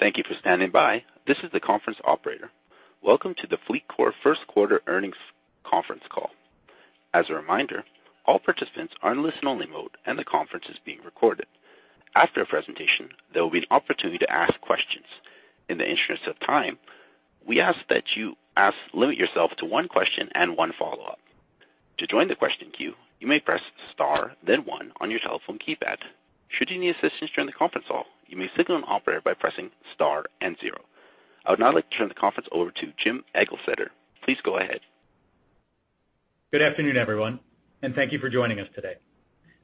Thank you for standing by. This is the conference operator. Welcome to the Corpay first quarter earnings conference call. As a reminder, all participants are in listen only mode and the conference is being recorded. After a presentation, there will be an opportunity to ask questions. In the interest of time, we ask that you limit yourself to one question and one follow-up. To join the question queue, you may press star then one on your telephone keypad. Should you need assistance during the conference call, you may signal an operator by pressing star and zero. I would now like to turn the conference over to Jim Eglseder. Please go ahead. Good afternoon, everyone, and thank you for joining us today.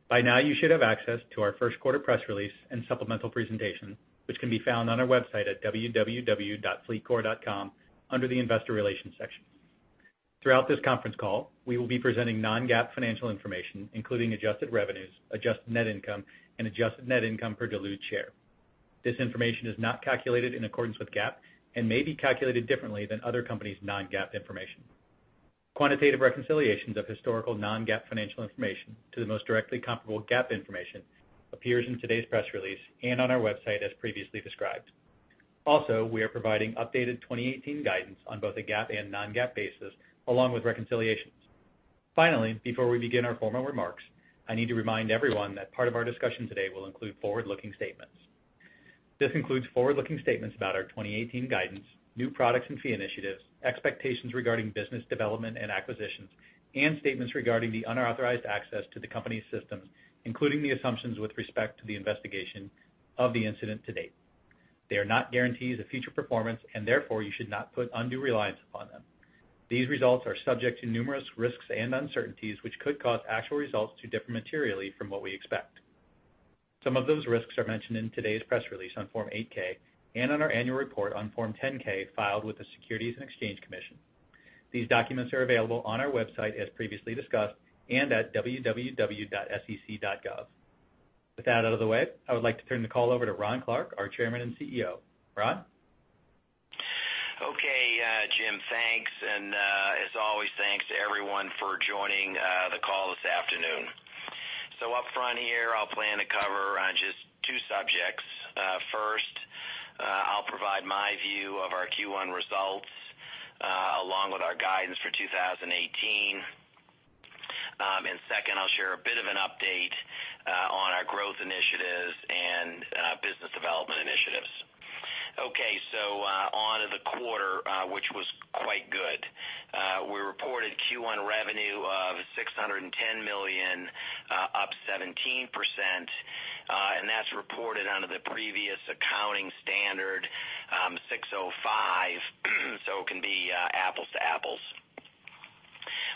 By now you should have access to our first quarter press release and supplemental presentation, which can be found on our website at www.corpay.com under the investor relations section. Throughout this conference call, we will be presenting non-GAAP financial information, including adjusted revenues, adjusted net income, and adjusted net income per dilute share. This information is not calculated in accordance with GAAP and may be calculated differently than other companies' non-GAAP information. Quantitative reconciliations of historical non-GAAP financial information to the most directly comparable GAAP information appears in today's press release and on our website as previously described. We are providing updated 2018 guidance on both a GAAP and non-GAAP basis, along with reconciliations. Finally, before we begin our formal remarks, I need to remind everyone that part of our discussion today will include forward-looking statements. This includes forward-looking statements about our 2018 guidance, new products and fee initiatives, expectations regarding business development and acquisitions, and statements regarding the unauthorized access to the company's systems, including the assumptions with respect to the investigation of the incident to date. They are not guarantees of future performance, therefore you should not put undue reliance upon them. These results are subject to numerous risks and uncertainties which could cause actual results to differ materially from what we expect. Some of those risks are mentioned in today's press release on Form 8-K and on our annual report on Form 10-K filed with the Securities and Exchange Commission. These documents are available on our website as previously discussed, and at www.sec.gov. With that out of the way, I would like to turn the call over to Ron Clarke, our Chairman and CEO. Ron? Jim, thanks. As always, thanks to everyone for joining the call this afternoon. Up front here, I'll plan to cover on just two subjects. First, I'll provide my view of our Q1 results, along with our guidance for 2018. Second, I'll share a bit of an update on our growth initiatives and business development initiatives. On to the quarter, which was quite good. We reported Q1 revenue of $610 million, up 17%, and that's reported under the previous accounting standard, ASC 605, it can be apples to apples.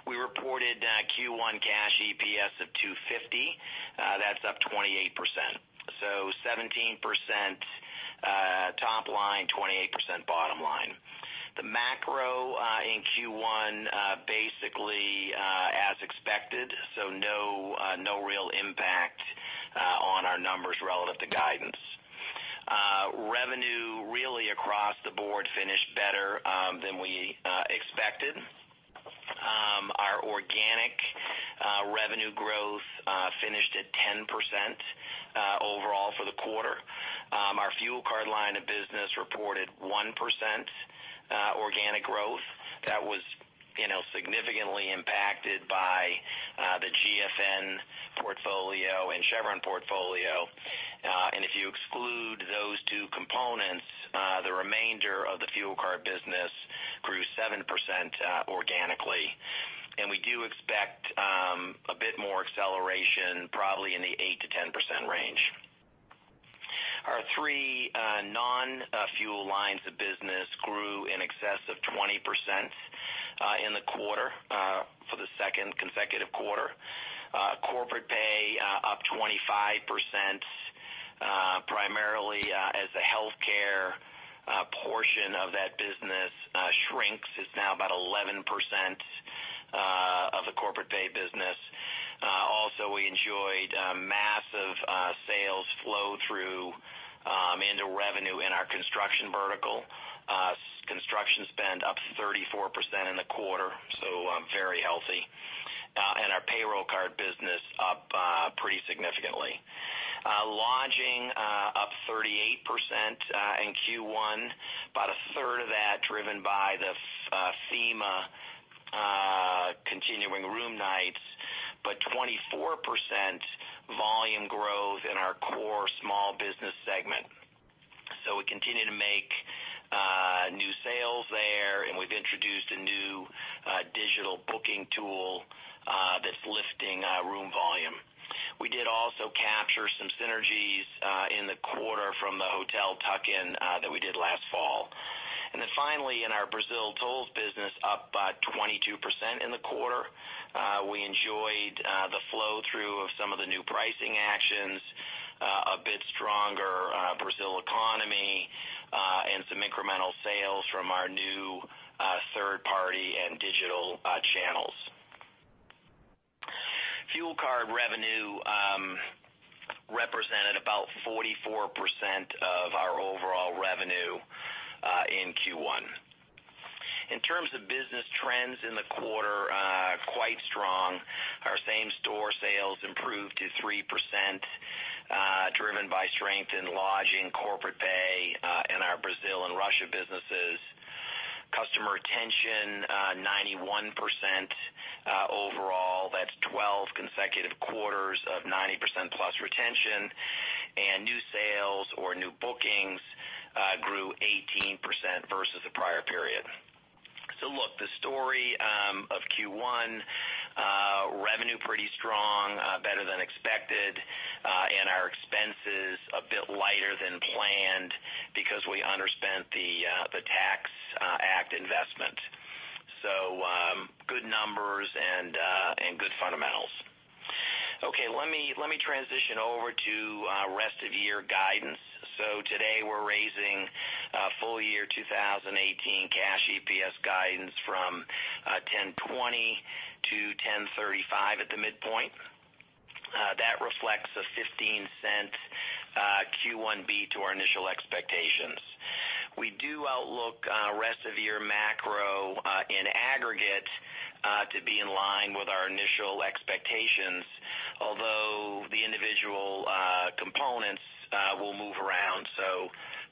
We reported Q1 cash EPS of $2.50. That's up 28%. 17% top line, 28% bottom line. The macro in Q1 basically as expected, no real impact on our numbers relative to guidance. Revenue really across the board finished better than we expected. Our organic revenue growth finished at 10% overall for the quarter. Our fuel card line of business reported 1% organic growth. That was significantly impacted by the GFN portfolio and Chevron portfolio, and if you exclude those two components, the remainder of the fuel card business grew 7% organically. We do expect a bit more acceleration, probably in the 8%-10% range. Our three non-fuel lines of business grew in excess of 20% in the quarter for the second consecutive quarter. Corporate Pay up 25%, primarily as the healthcare portion of that business shrinks. It's now about 11% of the Corporate Pay business. We enjoyed massive sales flow through into revenue in our construction vertical. Construction spend up 34% in the quarter, so very healthy. Our payroll card business up pretty significantly. Lodging up 38% in Q1, about a third of that driven by the FEMA continuing room nights, but 24% volume growth in our core small business segment. We continue to make new sales there, and we've introduced a new digital booking tool that's lifting room volume. We did also capture some synergies in the quarter from the hotel tuck-in that we did last fall. Finally, in our Brazil tolls business, up 22% in the quarter. We enjoyed the flow-through of some of the new pricing actions, a bit stronger Brazil economy, and some incremental sales from our new third-party and digital channels. Fuel card revenue represented about 44% of our overall revenue in Q1. In terms of business trends in the quarter, quite strong. Our same-store sales improved to 3%, driven by strength in Lodging, Corporate Pay, and our Brazil and Russia businesses. Customer retention, 91% overall. That's 12 consecutive quarters of 90%+ retention, and new sales or new bookings grew 18% versus the prior period. Look, the story of Q1, revenue pretty strong, better than expected, and our expenses a bit lighter than planned because we underspent the tax act investment. Good numbers and good fundamentals. Okay. Let me transition over to rest of year guidance. Today, we're raising full year 2018 cash EPS guidance from $10.20-$10.35 at the midpoint. That reflects a $0.15 Q1 beat to our initial expectations. We do outlook rest of year macro, in aggregate, to be in line with our initial expectations, although the individual components will move around.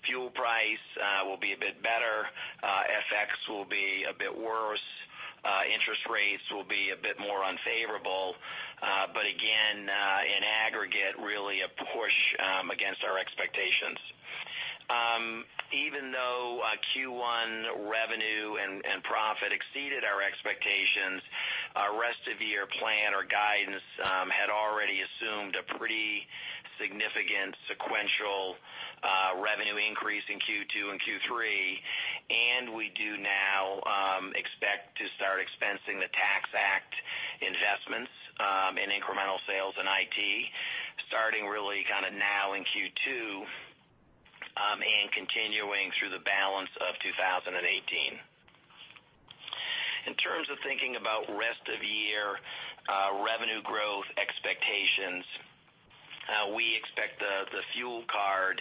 Fuel price will be a bit better. FX will be a bit worse. Interest rates will be a bit more unfavorable. Again, in aggregate, really a push against our expectations. Even though Q1 revenue and profit exceeded our expectations, our rest of year plan or guidance had already assumed a pretty significant sequential revenue increase in Q2 and Q3. We do now expect to start expensing the tax act investments in incremental sales and IT, starting really now in Q2, and continuing through the balance of 2018. In terms of thinking about rest of year revenue growth expectations, we expect the fuel card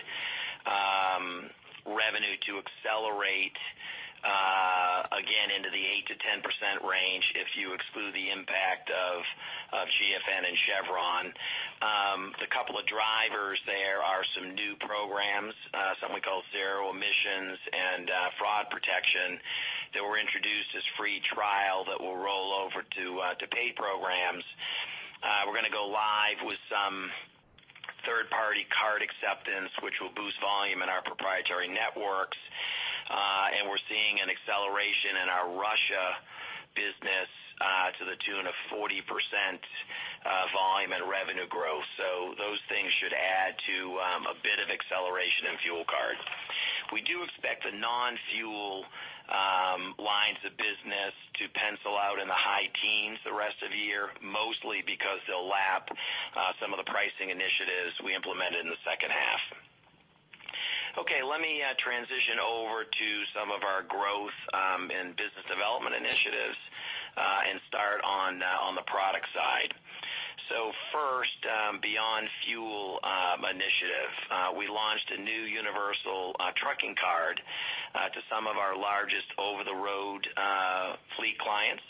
revenue to accelerate again into the 8%-10% range if you exclude the impact of GFN and Chevron. The couple of drivers there are some new programs, something we call Zero Emissions and Fraud Protection, that were introduced as free trial that will roll over to pay programs. We're going to go live with some third-party card acceptance, which will boost volume in our proprietary networks. We're seeing an acceleration in our Russia business to the tune of 40% volume and revenue growth. Those things should add to a bit of acceleration in fuel card. We do expect the non-fuel lines of business to pencil out in the high teens the rest of year, mostly because they'll lap some of the pricing initiatives we implemented in the second half. Let me transition over to some of our growth and business development initiatives, and start on the product side. First, Beyond Fuel initiative. We launched a new universal trucking card to some of our largest over-the-road fleet clients.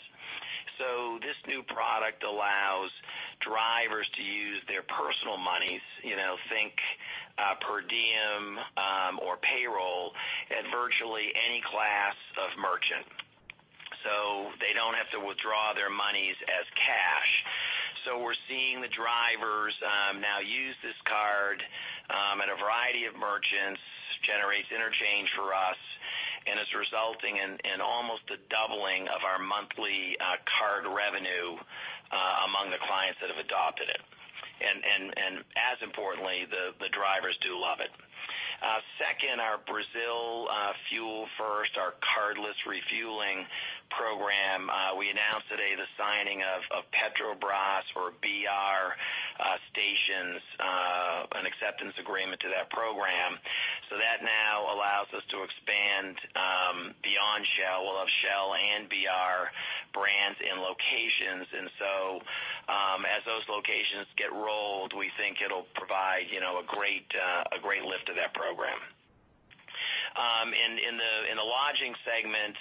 This new product allows drivers to use their personal monies, think per diem or payroll, at virtually any class of merchant. They don't have to withdraw their monies as cash. We're seeing the drivers now use this card at a variety of merchants, generates interchange for us, and is resulting in almost a doubling of our monthly card revenue among the clients that have adopted it. As importantly, the drivers do love it. Second, our Brazil Fuel First, our cardless refueling program. We announced today the signing of Petrobras or BR stations, an acceptance agreement to that program. That now allows us to expand beyond Shell. We'll have Shell and BR brands and locations. As those locations get rolled, we think it'll provide a great lift to that program. In the lodging segment,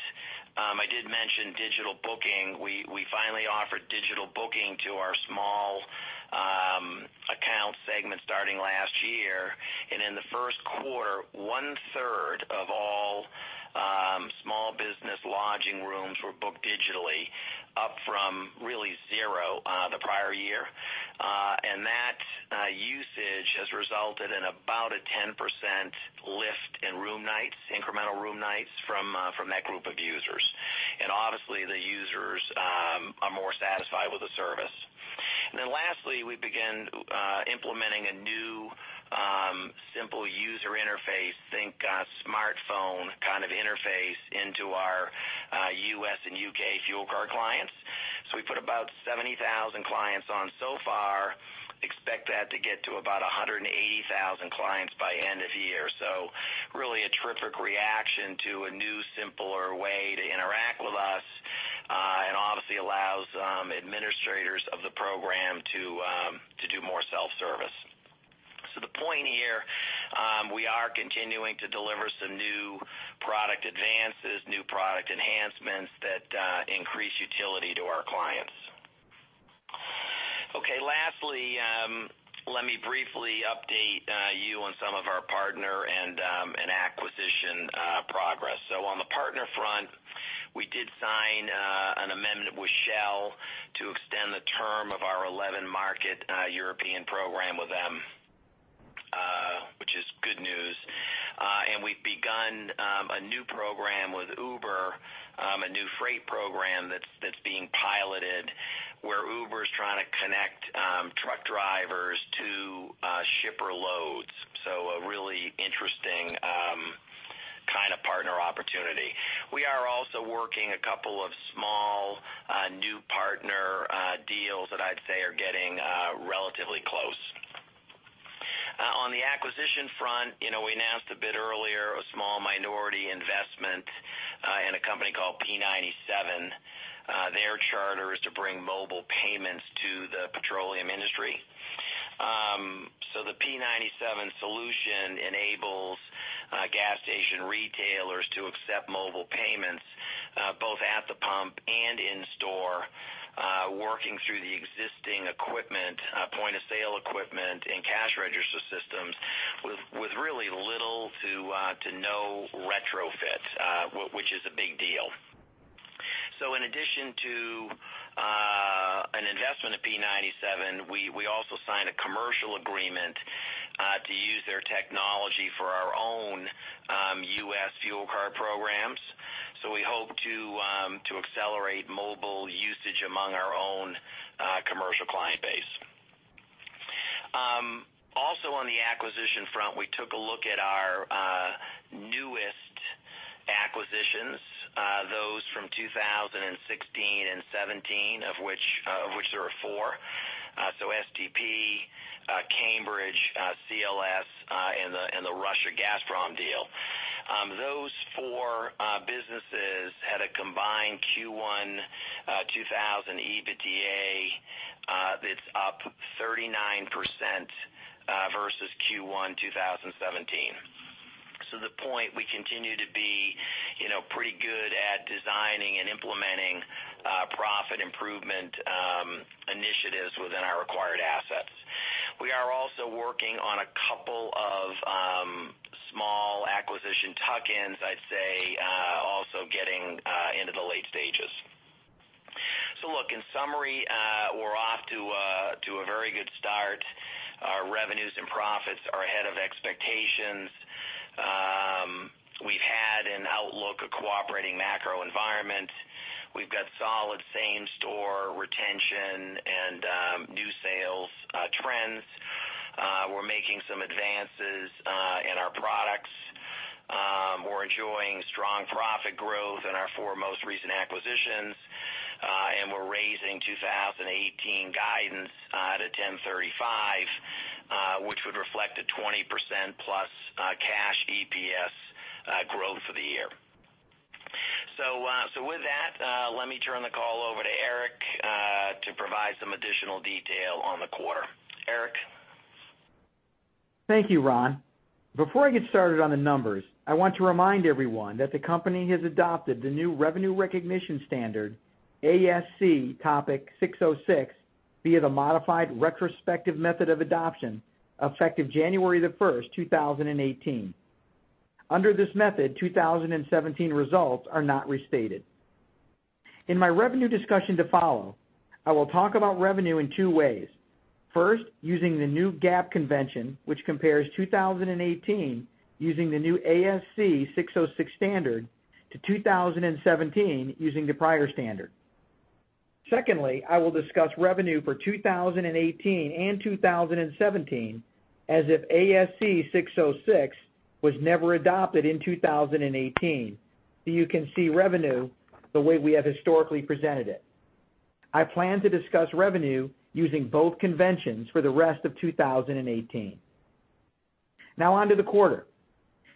I did mention digital booking. We finally offered digital booking to our small account segment starting last year. In the first quarter, one-third of all small business lodging rooms were booked digitally, up from really zero the prior year. That usage has resulted in about a 10% lift in room nights, incremental room nights, from that group of users. Obviously, the users are more satisfied with the service. Lastly, we began implementing a new, simple user interface, think smartphone kind of interface, into our U.S. and U.K. fuel card clients. We put about 70,000 clients on so far, expect that to get to about 180,000 clients by end of year. Really a terrific reaction to a new, simpler way to interact with us. Really allows administrators of the program to do more self-service. The point here, we are continuing to deliver some new product advances, new product enhancements that increase utility to our clients. Lastly, let me briefly update you on some of our partner and acquisition progress. On the partner front, we did sign an amendment with Shell to extend the term of our 11-market European program with them, which is good news. We've begun a new program with Uber, a new freight program that's being piloted where Uber's trying to connect truck drivers to shipper loads. A really interesting kind of partner opportunity. We are also working a couple of small new partner deals that I'd say are getting relatively close. On the acquisition front, we announced a bit earlier, a small minority investment in a company called P97. Their charter is to bring mobile payments to the petroleum industry. The P97 solution enables gas station retailers to accept mobile payments both at the pump and in store, working through the existing equipment, point-of-sale equipment and cash register systems with really little to no retrofit, which is a big deal. In addition to an investment at P97, we also signed a commercial agreement to use their technology for our own U.S. fuel card programs. We hope to accelerate mobile usage among our own commercial client base. Also on the acquisition front, we took a look at our newest acquisitions, those from 2016 and 2017, of which there are four. STP, Cambridge, CLS, and the Russia Gazprom deal. Those four businesses had a combined Q1 2018 EBITDA that's up 39% versus Q1 2017. The point, we continue to be pretty good at designing and implementing profit improvement initiatives within our acquired assets. We are also working on a couple of small acquisition tuck-ins, I'd say, also getting into the late stages. Look, in summary, we're off to a very good start. Our revenues and profits are ahead of expectations. We've had an outlook, a cooperating macro environment. We've got solid same-store retention and new sales trends. We're making some advances in our products. We're enjoying strong profit growth in our four most recent acquisitions. And we're raising 2018 guidance to $10.35, which would reflect a 20% plus cash EPS growth for the year. With that, let me turn the call over to Eric to provide some additional detail on the quarter. Eric? Thank you, Ron. Before I get started on the numbers, I want to remind everyone that the company has adopted the new revenue recognition standard, ASC 606, via the modified retrospective method of adoption effective January the 1st, 2018. Under this method, 2017 results are not restated. In my revenue discussion to follow, I will talk about revenue in two ways. First, using the new GAAP convention, which compares 2018 using the new ASC 606 standard to 2017 using the prior standard. Secondly, I will discuss revenue for 2018 and 2017 as if ASC 606 was never adopted in 2018, you can see revenue the way we have historically presented it. I plan to discuss revenue using both conventions for the rest of 2018. Now on to the quarter.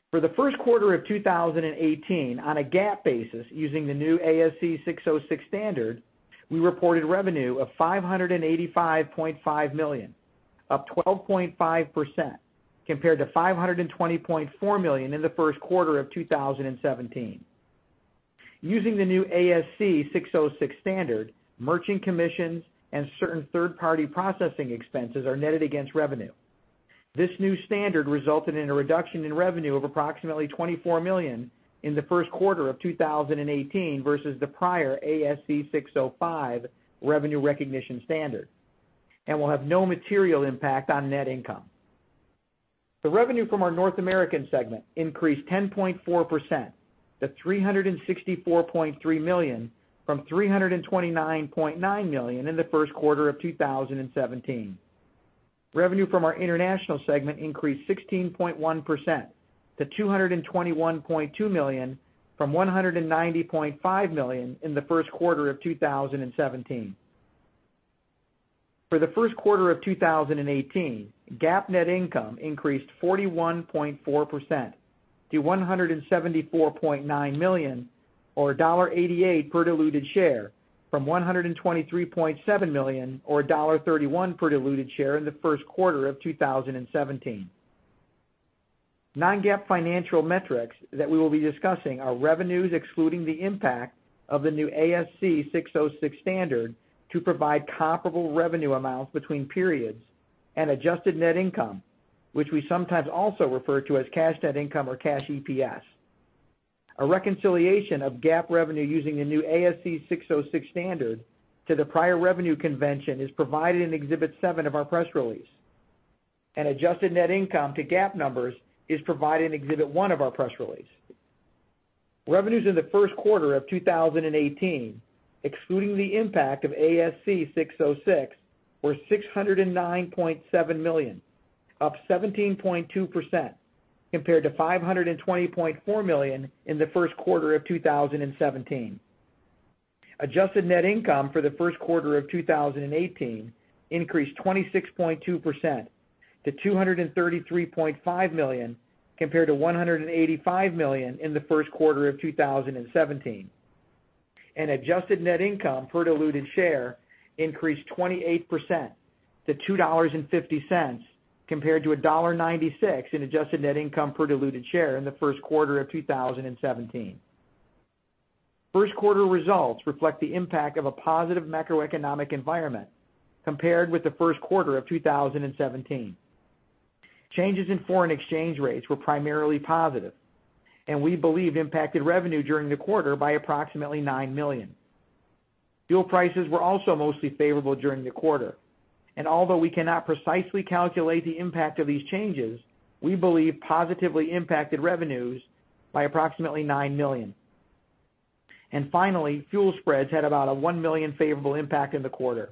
For the first quarter of 2018, on a GAAP basis using the new ASC 606 standard, we reported revenue of $585.5 million, up 12.5%, compared to $520.4 million in the first quarter of 2017. Using the new ASC 606 standard, merchant commissions and certain third-party processing expenses are netted against revenue. This new standard resulted in a reduction in revenue of approximately $24 million in the first quarter of 2018 versus the prior ASC 605 revenue recognition standard and will have no material impact on net income. The revenue from our North American segment increased 10.4% to $364.3 million from $329.9 million in the first quarter of 2017. Revenue from our international segment increased 16.1% to $221.2 million from $190.5 million in the first quarter of 2017. For the first quarter of 2018, GAAP net income increased 41.4% to $174.9 million, or $1.88 per diluted share, from $123.7 million or $1.31 per diluted share in the first quarter of 2017. Non-GAAP financial metrics that we will be discussing are revenues excluding the impact of the new ASC 606 standard to provide comparable revenue amounts between periods, and adjusted net income, which we sometimes also refer to as cash net income or cash EPS. A reconciliation of GAAP revenue using the new ASC 606 standard to the prior revenue convention is provided in Exhibit seven of our press release. An adjusted net income to GAAP numbers is provided in Exhibit one of our press release. Revenues in the first quarter of 2018, excluding the impact of ASC 606, were $609.7 million, up 17.2% compared to $520.4 million in the first quarter of 2017. Adjusted net income for the first quarter of 2018 increased 26.2% to $233.5 million, compared to $185 million in the first quarter of 2017. Adjusted net income per diluted share increased 28% to $2.50 compared to $1.96 in adjusted net income per diluted share in the first quarter of 2017. First quarter results reflect the impact of a positive macroeconomic environment compared with the first quarter of 2017. Changes in foreign exchange rates were primarily positive, and we believe impacted revenue during the quarter by approximately $9 million. Fuel prices were also mostly favorable during the quarter, and although we cannot precisely calculate the impact of these changes, we believe positively impacted revenues by approximately $9 million. Finally, fuel spreads had about a $1 million favorable impact in the quarter.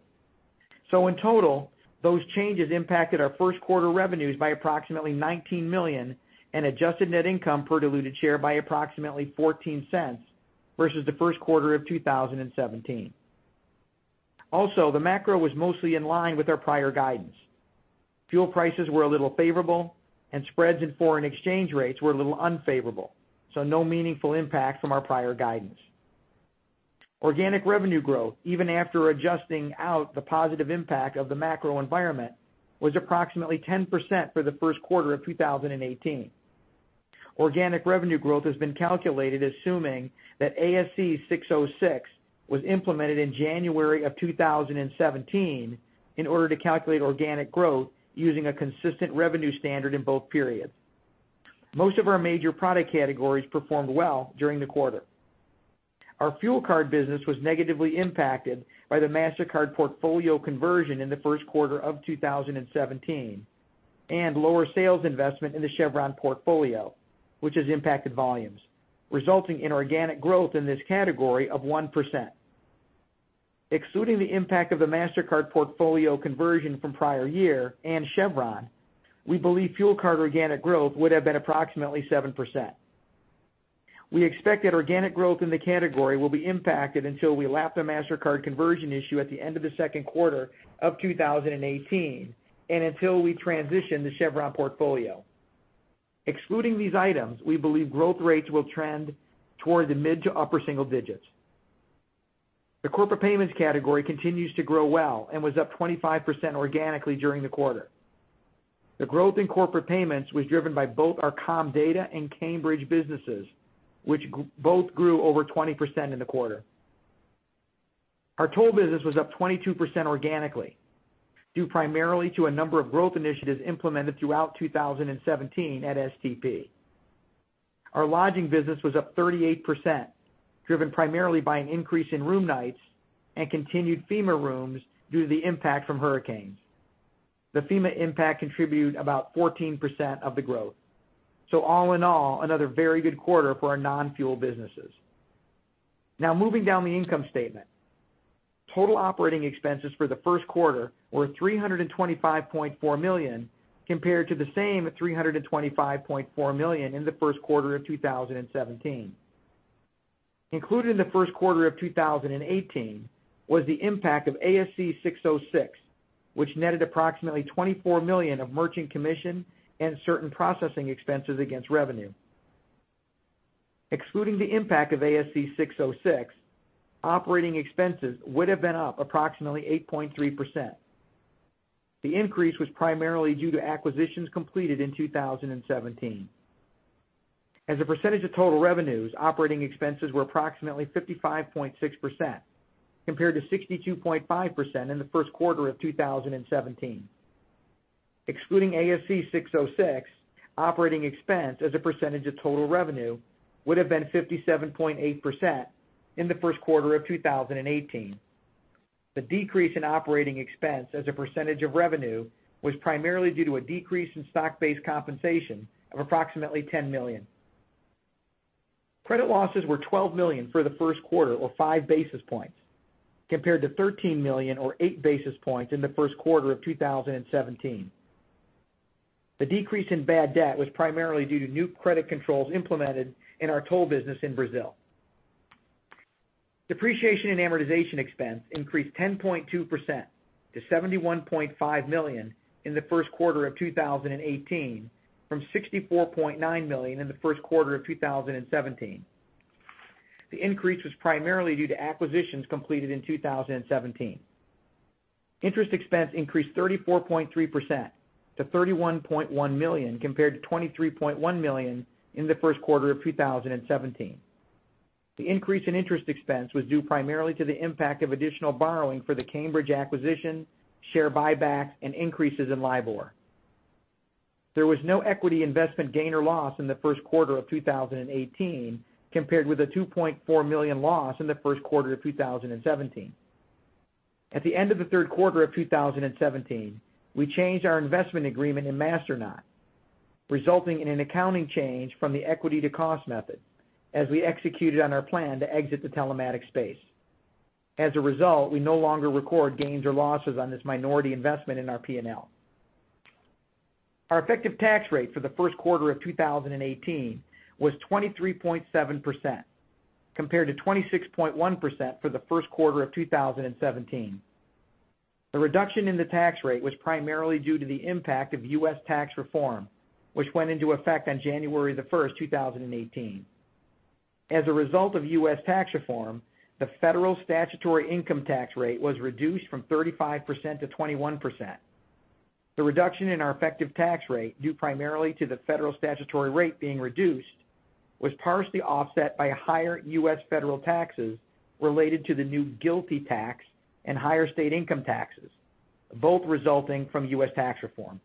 In total, those changes impacted our first quarter revenues by approximately $19 million, and adjusted net income per diluted share by approximately $0.14 versus the first quarter of 2017. The macro was mostly in line with our prior guidance. Fuel prices were a little favorable, and spreads in foreign exchange rates were a little unfavorable, no meaningful impact from our prior guidance. Organic revenue growth, even after adjusting out the positive impact of the macro environment, was approximately 10% for the first quarter of 2018. Organic revenue growth has been calculated assuming that ASC 606 was implemented in January of 2017 in order to calculate organic growth using a consistent revenue standard in both periods. Most of our major product categories performed well during the quarter. Our fuel card business was negatively impacted by the Mastercard portfolio conversion in the first quarter of 2017 and lower sales investment in the Chevron portfolio, which has impacted volumes, resulting in organic growth in this category of 1%. Excluding the impact of the Mastercard portfolio conversion from prior year and Chevron, we believe fuel card organic growth would have been approximately 7%. We expect that organic growth in the category will be impacted until we lap the Mastercard conversion issue at the end of the second quarter of 2018, and until we transition the Chevron portfolio. Excluding these items, we believe growth rates will trend toward the mid to upper single digits. The corporate payments category continues to grow well and was up 25% organically during the quarter. The growth in corporate payments was driven by both our Comdata and Cambridge businesses, which both grew over 20% in the quarter. Our toll business was up 22% organically due primarily to a number of growth initiatives implemented throughout 2017 at STP. Our lodging business was up 38%, driven primarily by an increase in room nights and continued FEMA rooms due to the impact from hurricanes. The FEMA impact contributed about 14% of the growth. All in all, another very good quarter for our non-fuel businesses. Moving down the income statement. Total operating expenses for the first quarter were $325.4 million compared to the same at $325.4 million in the first quarter of 2017. Included in the first quarter of 2018 was the impact of ASC 606, which netted approximately $24 million of merchant commission and certain processing expenses against revenue. Excluding the impact of ASC 606, operating expenses would have been up approximately 8.3%. The increase was primarily due to acquisitions completed in 2017. As a percentage of total revenues, operating expenses were approximately 55.6%, compared to 62.5% in the first quarter of 2017. Excluding ASC 606, operating expense as a percentage of total revenue would have been 57.8% in the first quarter of 2018. The decrease in operating expense as a percentage of revenue was primarily due to a decrease in stock-based compensation of approximately $10 million. Credit losses were $12 million for the first quarter or five basis points, compared to $13 million or eight basis points in the first quarter of 2017. The decrease in bad debt was primarily due to new credit controls implemented in our toll business in Brazil. Depreciation and amortization expense increased 10.2% to $71.5 million in the first quarter of 2018, from $64.9 million in the first quarter of 2017. The increase was primarily due to acquisitions completed in 2017. Interest expense increased 34.3% to $31.1 million compared to $23.1 million in the first quarter of 2017. The increase in interest expense was due primarily to the impact of additional borrowing for the Cambridge acquisition, share buyback, and increases in LIBOR. There was no equity investment gain or loss in the first quarter of 2018, compared with a $2.4 million loss in the first quarter of 2017. At the end of the third quarter of 2017, we changed our investment agreement in Masternaut, resulting in an accounting change from the equity to cost method as we executed on our plan to exit the telematics space. As a result, we no longer record gains or losses on this minority investment in our P&L. Our effective tax rate for the first quarter of 2018 was 23.7%, compared to 26.1% for the first quarter of 2017. The reduction in the tax rate was primarily due to the impact of U.S. tax reform, which went into effect on January 1, 2018. As a result of U.S. tax reform, the federal statutory income tax rate was reduced from 35% to 21%. The reduction in our effective tax rate, due primarily to the federal statutory rate being reduced, was partially offset by higher U.S. federal taxes related to the new GILTI tax and higher state income taxes, both resulting from U.S. tax reform.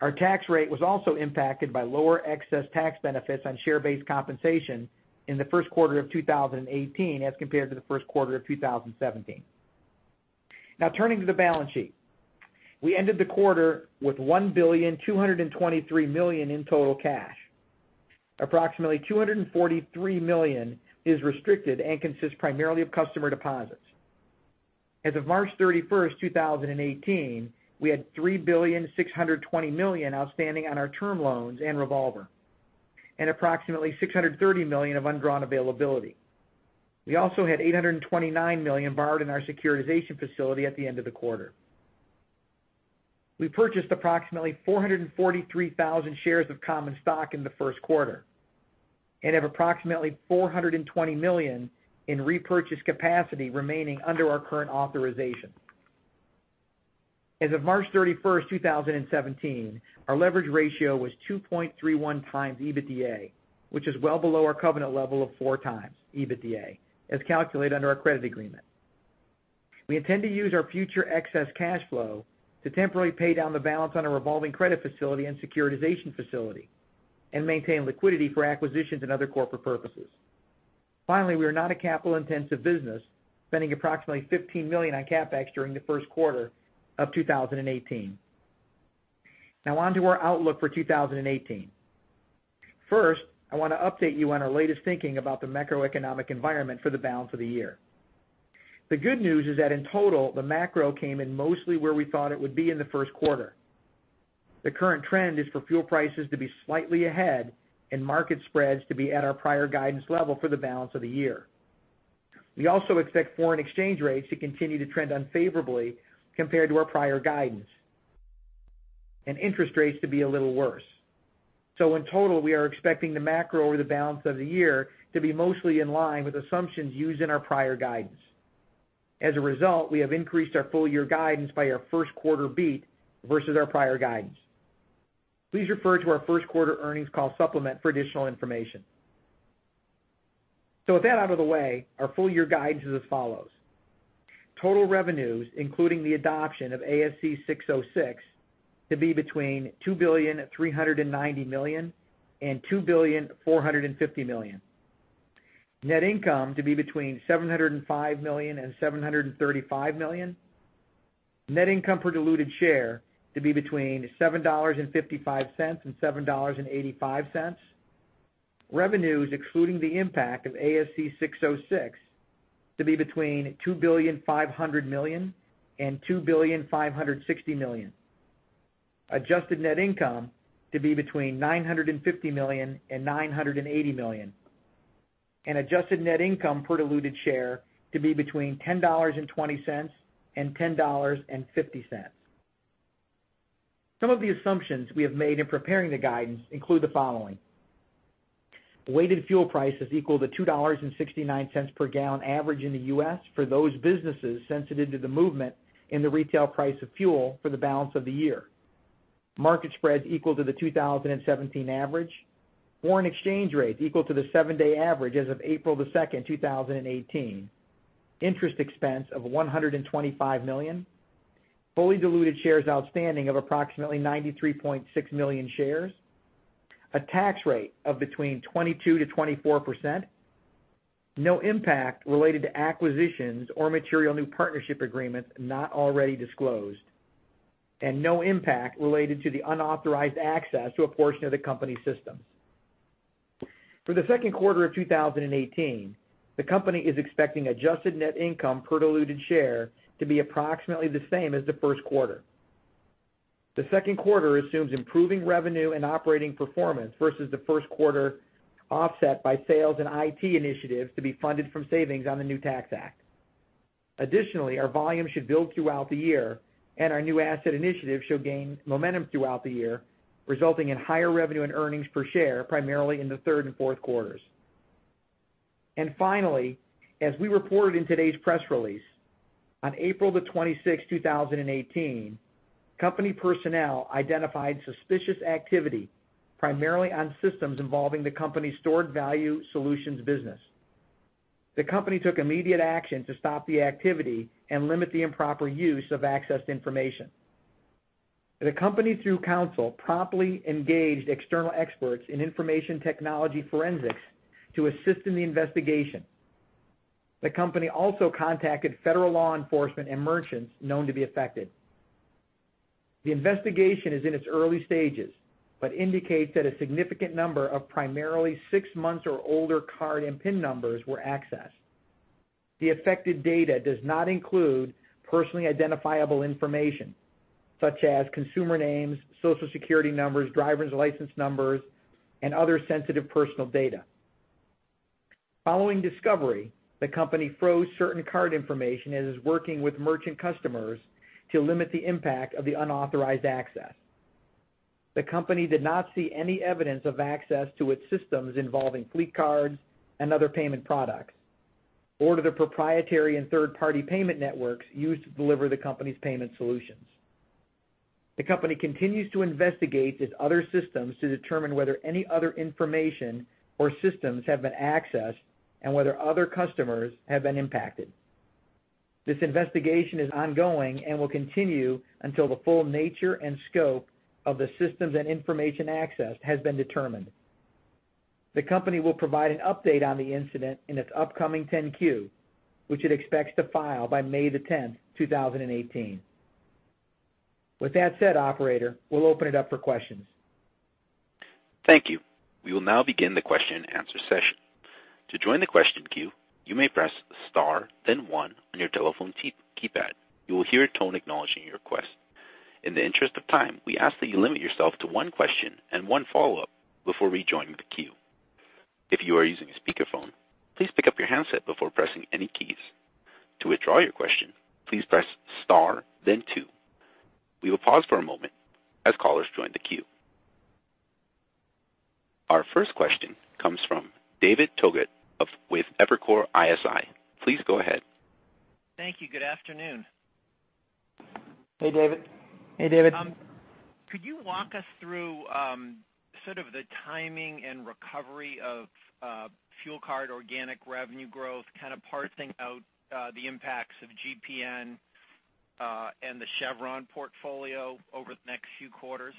Our tax rate was also impacted by lower excess tax benefits on share-based compensation in the first quarter of 2018 as compared to the first quarter of 2017. Now turning to the balance sheet. We ended the quarter with $1,223 billion in total cash. Approximately $243 million is restricted and consists primarily of customer deposits. As of March 31, 2018, we had $3,620 billion outstanding on our term loans and revolver. Approximately $630 million of undrawn availability. We also had $829 million borrowed in our securitization facility at the end of the quarter. We purchased approximately 443,000 shares of common stock in the first quarter and have approximately $420 million in repurchase capacity remaining under our current authorization. As of March 31, 2017, our leverage ratio was 2.31 times EBITDA, which is well below our covenant level of 4 times EBITDA, as calculated under our credit agreement. We intend to use our future excess cash flow to temporarily pay down the balance on our revolving credit facility and securitization facility and maintain liquidity for acquisitions and other corporate purposes. Finally, we are not a capital-intensive business, spending approximately $15 million on CapEx during the first quarter of 2018. Now on to our outlook for 2018. First, I want to update you on our latest thinking about the macroeconomic environment for the balance of the year. The good news is that in total, the macro came in mostly where we thought it would be in the first quarter. The current trend is for fuel prices to be slightly ahead and market spreads to be at our prior guidance level for the balance of the year. We also expect foreign exchange rates to continue to trend unfavorably compared to our prior guidance, and interest rates to be a little worse. In total, we are expecting the macro over the balance of the year to be mostly in line with assumptions used in our prior guidance. As a result, we have increased our full year guidance by our first quarter beat versus our prior guidance. Please refer to our first quarter earnings call supplement for additional information. With that out of the way, our full year guidance is as follows. Total revenues, including the adoption of ASC 606, to be between $2.39 billion to $2.45 billion. Net income to be between $705 million-$735 million. Net income per diluted share to be between $7.55-$7.85. Revenues, excluding the impact of ASC 606, to be between $2.5 billion to $2.56 billion. Adjusted net income to be between $950 million-$980 million. Adjusted net income per diluted share to be between $10.20-$10.50. Some of the assumptions we have made in preparing the guidance include the following. Weighted fuel prices equal to $2.69 per gallon average in the U.S. for those businesses sensitive to the movement in the retail price of fuel for the balance of the year. Market spreads equal to the 2017 average. Foreign exchange rates equal to the seven-day average as of April 2, 2018. Interest expense of $125 million. Fully diluted shares outstanding of approximately 93.6 million shares. A tax rate of between 22%-24%. No impact related to acquisitions or material new partnership agreements not already disclosed. No impact related to the unauthorized access to a portion of the company's systems. For the second quarter of 2018, the company is expecting adjusted net income per diluted share to be approximately the same as the first quarter. The second quarter assumes improving revenue and operating performance versus the first quarter, offset by sales and IT initiatives to be funded from savings on the new tax act. Additionally, our volume should build throughout the year, and our new asset initiatives should gain momentum throughout the year, resulting in higher revenue and earnings per share, primarily in the third and fourth quarters. Finally, as we reported in today's press release, on April the 26th, 2018, company personnel identified suspicious activity primarily on systems involving the company's Stored Value Solutions business. The company took immediate action to stop the activity and limit the improper use of accessed information. The company, through counsel, promptly engaged external experts in information technology forensics to assist in the investigation. The company also contacted federal law enforcement and merchants known to be affected. The investigation is in its early stages but indicates that a significant number of primarily six months or older card and PIN numbers were accessed. The affected data does not include personally identifiable information such as consumer names, Social Security numbers, driver's license numbers, and other sensitive personal data. Following discovery, the company froze certain card information and is working with merchant customers to limit the impact of the unauthorized access. The company did not see any evidence of access to its systems involving fleet cards and other payment products, or to the proprietary and third-party payment networks used to deliver the company's payment solutions. The company continues to investigate its other systems to determine whether any other information or systems have been accessed and whether other customers have been impacted. This investigation is ongoing and will continue until the full nature and scope of the systems and information accessed has been determined. The company will provide an update on the incident in its upcoming 10-Q, which it expects to file by May the 10th, 2018. With that said, operator, we'll open it up for questions. Thank you. We will now begin the question and answer session. To join the question queue, you may press star then one on your telephone keypad. You will hear a tone acknowledging your request. In the interest of time, we ask that you limit yourself to one question and one follow-up before rejoining the queue. If you are using a speakerphone, please pick up your handset before pressing any keys. To withdraw your question, please press star then two. We will pause for a moment as callers join the queue. Our first question comes from David Togut with Evercore ISI. Please go ahead. Thank you. Good afternoon. Hey, David. Hey, David. Could you walk us through sort of the timing and recovery of fuel card organic revenue growth, kind of parsing out the impacts of GPN and the Chevron portfolio over the next few quarters?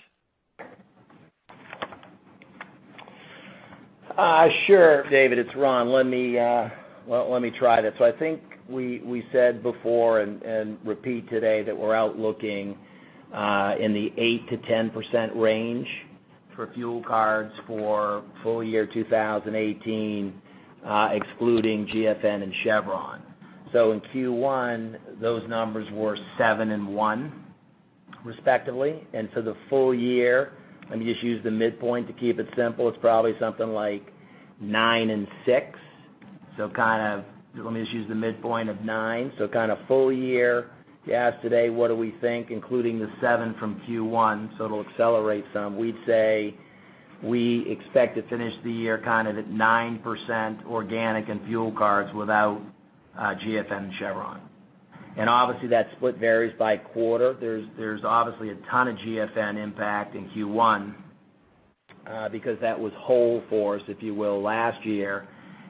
Sure, David, it's Ron. I think we said before, and repeat today, that we're out looking in the 8%-10% range for fuel cards for full year 2018, excluding GFN and Chevron. In Q1, those numbers were seven and one respectively. For the full year, let me just use the midpoint to keep it simple. It's probably something like nine and six. Let me just use the midpoint of nine. Kind of full year, if you ask today, what do we think, including the seven from Q1, so it'll accelerate some, we'd say we expect to finish the year kind of at 9% organic and fuel cards without GFN and Chevron. Obviously, that split varies by quarter. There's obviously a ton of GFN impact in Q1 because that was whole for us, if you will, last year.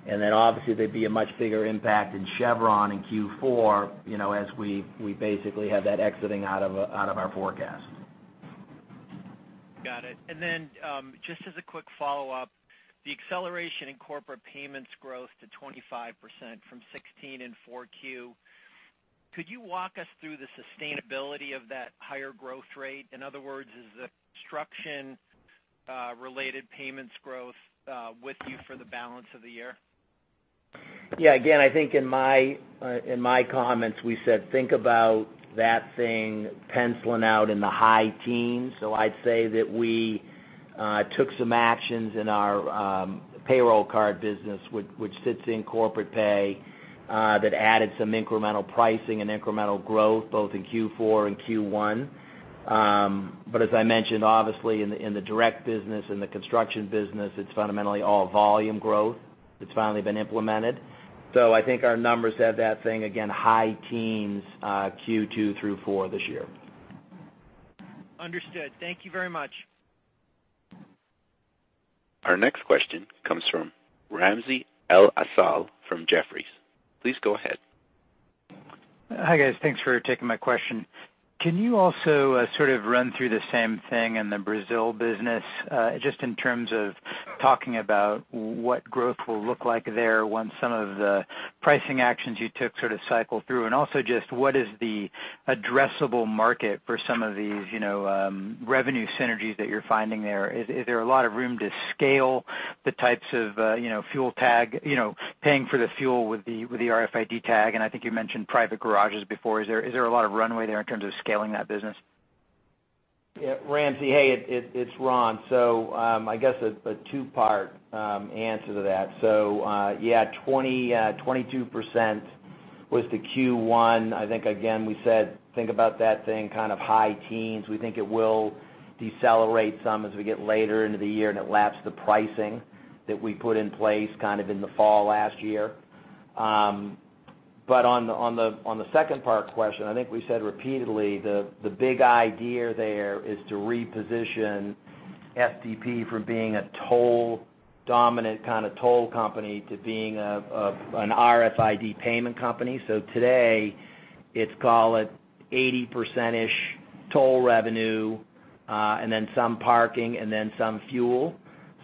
Obviously, there'd be a much bigger impact in Chevron in Q4 as we basically have that exiting out of our forecast. Got it. Just as a quick follow-up, the acceleration in corporate payments growth to 25% from 16 in 4Q, could you walk us through the sustainability of that higher growth rate? In other words, is the construction-related payments growth with you for the balance of the year? Yeah. Again, I think in my comments, we said think about that thing penciling out in the high teens. I'd say that we took some actions in our payroll card business, which sits in Corporate Pay, that added some incremental pricing and incremental growth both in Q4 and Q1. As I mentioned, obviously in the direct business, in the construction business, it's fundamentally all volume growth that's finally been implemented. I think our numbers have that thing, again, high teens Q2 through 4 this year. Understood. Thank you very much. Our next question comes from Ramsey El-Assal from Jefferies. Please go ahead. Hi, guys. Thanks for taking my question. Can you also sort of run through the same thing in the Brazil business, just in terms of talking about what growth will look like there once some of the pricing actions you took sort of cycle through? What is the addressable market for some of these revenue synergies that you're finding there? Is there a lot of room to scale the types of fuel tag, paying for the fuel with the RFID tag? I think you mentioned private garages before. Is there a lot of runway there in terms of scaling that business? Yeah, Ramsey, hey, it's Ron. I guess a two-part answer to that. Yeah, 22% was the Q1. I think, again, we said think about that thing kind of high teens. We think it will decelerate some as we get later into the year, and it laps the pricing that we put in place kind of in the fall last year. On the second part question, I think we said repeatedly, the big idea there is to reposition STP from being a toll dominant kind of toll company to being an RFID payment company. Today, it's, call it, 80%-ish toll revenue, and then some parking and then some fuel.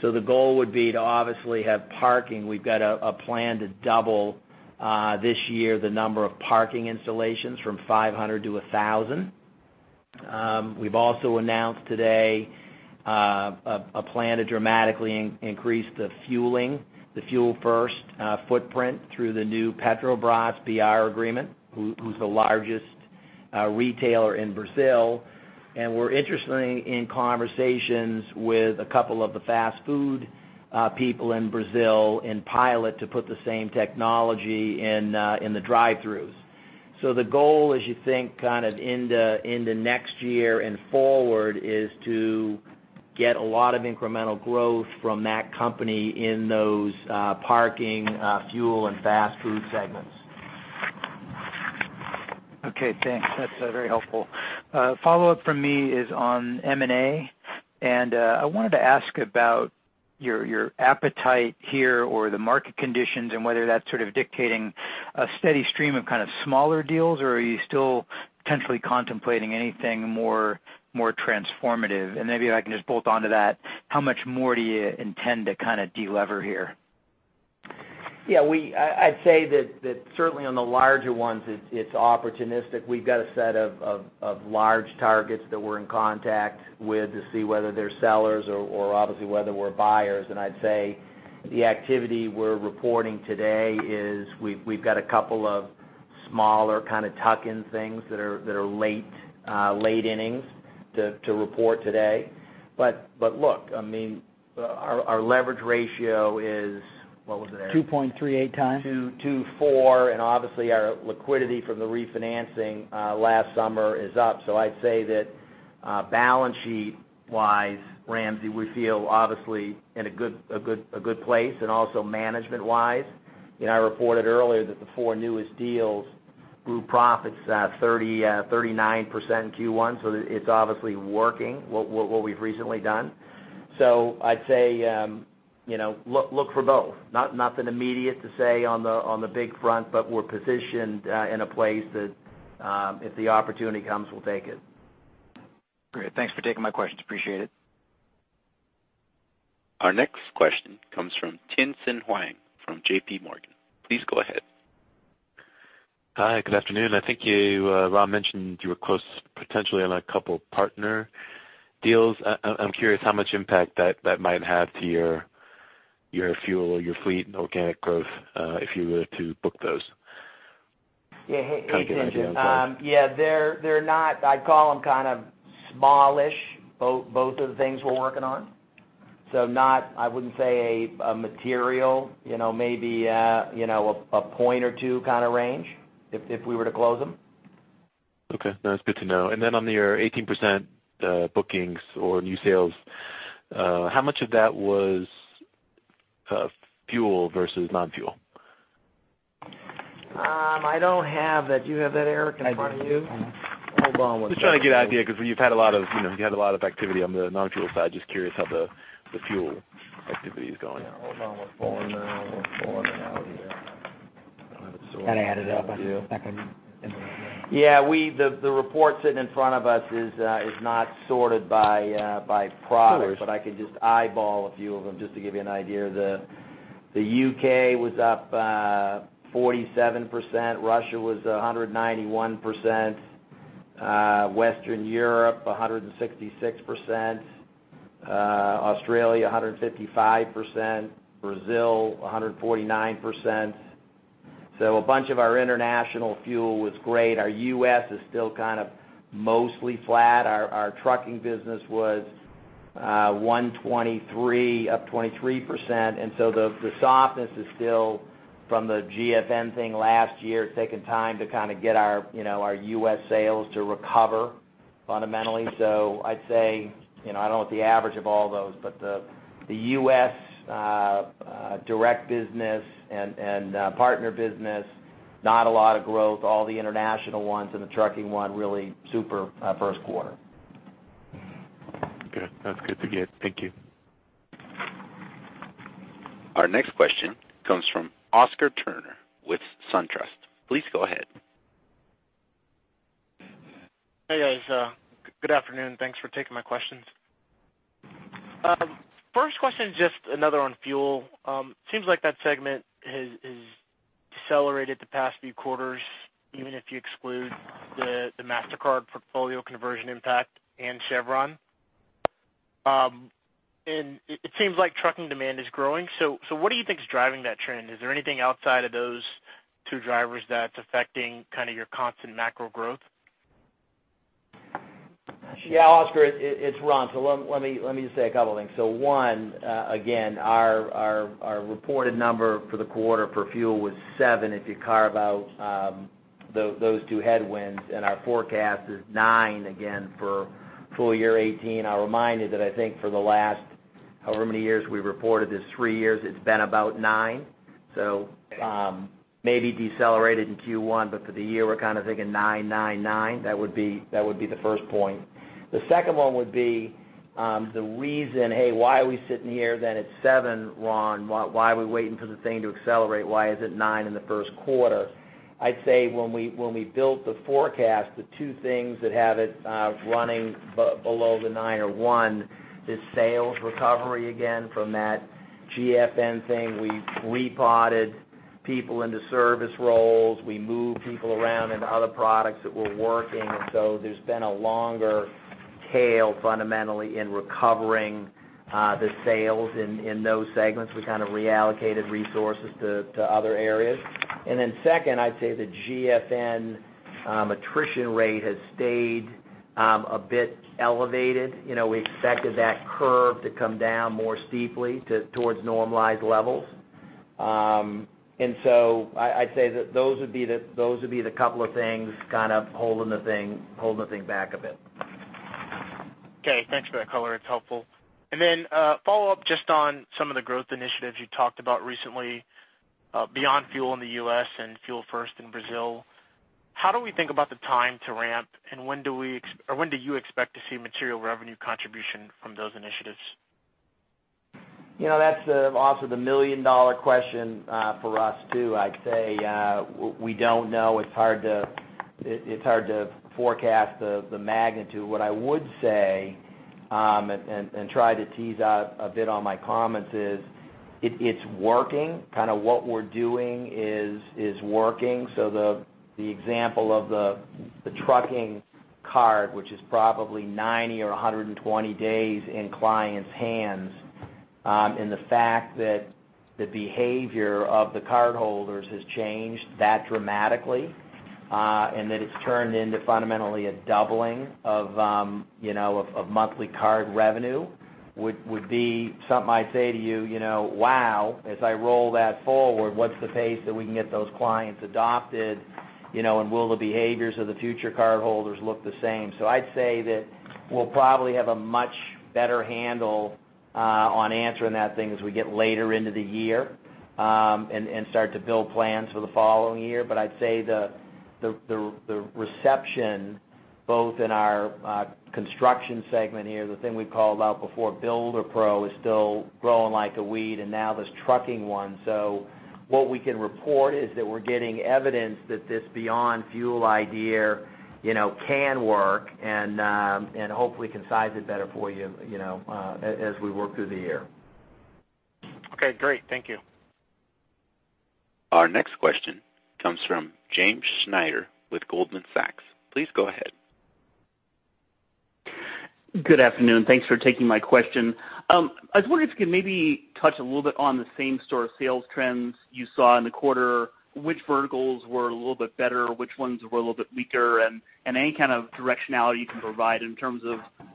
The goal would be to obviously have parking. We've got a plan to double, this year, the number of parking installations from 500 to 1,000. We've also announced today a plan to dramatically increase the Fuel First footprint through the new Petrobras BR agreement, who's the largest retailer in Brazil. We're interestingly in conversations with a couple of the fast food people in Brazil in pilot to put the same technology in the drive-throughs. The goal, as you think kind of in the next year and forward, is to get a lot of incremental growth from that company in those parking, fuel, and fast food segments. Okay, thanks. That's very helpful. A follow-up from me is on M&A. I wanted to ask about your appetite here or the market conditions, and whether that's sort of dictating a steady stream of kind of smaller deals, or are you still potentially contemplating anything more transformative? Maybe if I can just bolt onto that, how much more do you intend to kind of de-lever here? Yeah. I'd say that certainly on the larger ones, it's opportunistic. We've got a set of large targets that we're in contact with to see whether they're sellers or obviously whether we're buyers. I'd say the activity we're reporting today is we've got a couple of smaller kind of tuck-in things that are late innings to report today. Look, our leverage ratio is What was it, Eric? 2.38 times. 2.24x, obviously our liquidity from the refinancing last summer is up. I'd say that balance sheet-wise, Ramsey, we feel obviously in a good place and also management-wise. I reported earlier that the four newest deals grew profits at 39% in Q1, so it's obviously working, what we've recently done. I'd say look for both. Nothing immediate to say on the big front, but we're positioned in a place that, if the opportunity comes, we'll take it. Great. Thanks for taking my questions. Appreciate it. Our next question comes from Tien-Tsin Huang from J.P. Morgan. Please go ahead. Hi, good afternoon. I think you, Ron, mentioned you were close potentially on a couple partner deals. I'm curious how much impact that might have to your fuel or your fleet and organic growth, if you were to book those. Yeah, hey, Tien-Tsin. Yeah, they're not, I'd call them kind of smallish, both of the things we're working on. I wouldn't say a material, maybe a point or two kind of range if we were to close them. Okay. No, that's good to know. Then on your 18% bookings or new sales, how much of that was fuel versus non-fuel? I don't have that. Do you have that, Eric, in front of you? I do, yeah. Hold on one second. Just trying to get idea because you've had a lot of activity on the non-fuel side. Just curious how the fuel activity is going. Yeah, hold on. We're pulling it out here. I have it sorted. Had to add it up on a second window. Yeah, the report sitting in front of us is not sorted by progress. Of course. I could just eyeball a few of them just to give you an idea. The U.K. was up 47%, Russia was 191%, Western Europe 166%, Australia 155%, Brazil 149%. A bunch of our international fuel was great. Our U.S. is still kind of mostly flat. Our trucking business was 123%, up 23%. The softness is still from the GFN thing last year. It's taken time to kind of get our U.S. sales to recover fundamentally. I'd say, I don't know what the average of all those, but the U.S. direct business and partner business, not a lot of growth. All the international ones and the trucking one really super first quarter. Good. That's good to get. Thank you. Our next question comes from Oscar Turner with SunTrust. Please go ahead. Hey, guys. Good afternoon. Thanks for taking my questions. First question is just another on fuel. Seems like that segment has decelerated the past few quarters, even if you exclude the Mastercard portfolio conversion impact and Chevron. It seems like trucking demand is growing. What do you think is driving that trend? Is there anything outside of those two drivers that's affecting kind of your constant macro growth? Yeah, Oscar, it's Ron. Let me just say a couple things. One, again, our reported number for the quarter for fuel was seven, if you carve out those two headwinds, and our forecast is nine again for full year 2018. I'll remind you that I think for the last however many years we reported this, three years, it's been about nine. Maybe decelerated in Q1, but for the year, we're kind of thinking nine. That would be the first point. The second one would be the reason, hey, why are we sitting here then at seven, Ron? Why are we waiting for the thing to accelerate? Why is it nine in the first quarter? I'd say when we built the forecast, the two things that have it running below the nine are one, the sales recovery again from that GFN thing. We repotted people into service roles. We moved people around into other products that were working. There's been a longer tail fundamentally in recovering the sales in those segments. We kind of reallocated resources to other areas. Then second, I'd say the GFN attrition rate has stayed a bit elevated. We expected that curve to come down more steeply towards normalized levels. I'd say that those would be the couple of things kind of holding the thing back a bit. Okay. Thanks for that color. It's helpful. A follow-up just on some of the growth initiatives you talked about recently, Beyond Fuel in the U.S. and Fuel First in Brazil. How do we think about the time to ramp, and when do you expect to see material revenue contribution from those initiatives? That's also the million-dollar question for us too. I'd say we don't know. It's hard to forecast the magnitude. What I would say, and try to tease out a bit on my comments is, it's working. Kind of what we're doing is working. The example of the trucking card, which is probably 90 or 120 days in clients' hands, and the fact that the behavior of the cardholders has changed that dramatically, and that it's turned into fundamentally a doubling of monthly card revenue would be something I'd say to you, "Wow," as I roll that forward, what's the pace that we can get those clients adopted, and will the behaviors of the future cardholders look the same? I'd say that we'll probably have a much better handle on answering that thing as we get later into the year, and start to build plans for the following year. I'd say the reception, both in our construction segment here, the thing we called out before, Builder Pro, is still growing like a weed, and now this trucking one. What we can report is that we're getting evidence that this Beyond Fuel idea can work, and hopefully can size it better for you as we work through the year. Okay, great. Thank you. Our next question comes from James Schneider with Goldman Sachs. Please go ahead. Good afternoon. Thanks for taking my question. I was wondering if you could maybe touch a little bit on the same-store sales trends you saw in the quarter, which verticals were a little bit better, which ones were a little bit weaker, and any kind of directionality you can provide in terms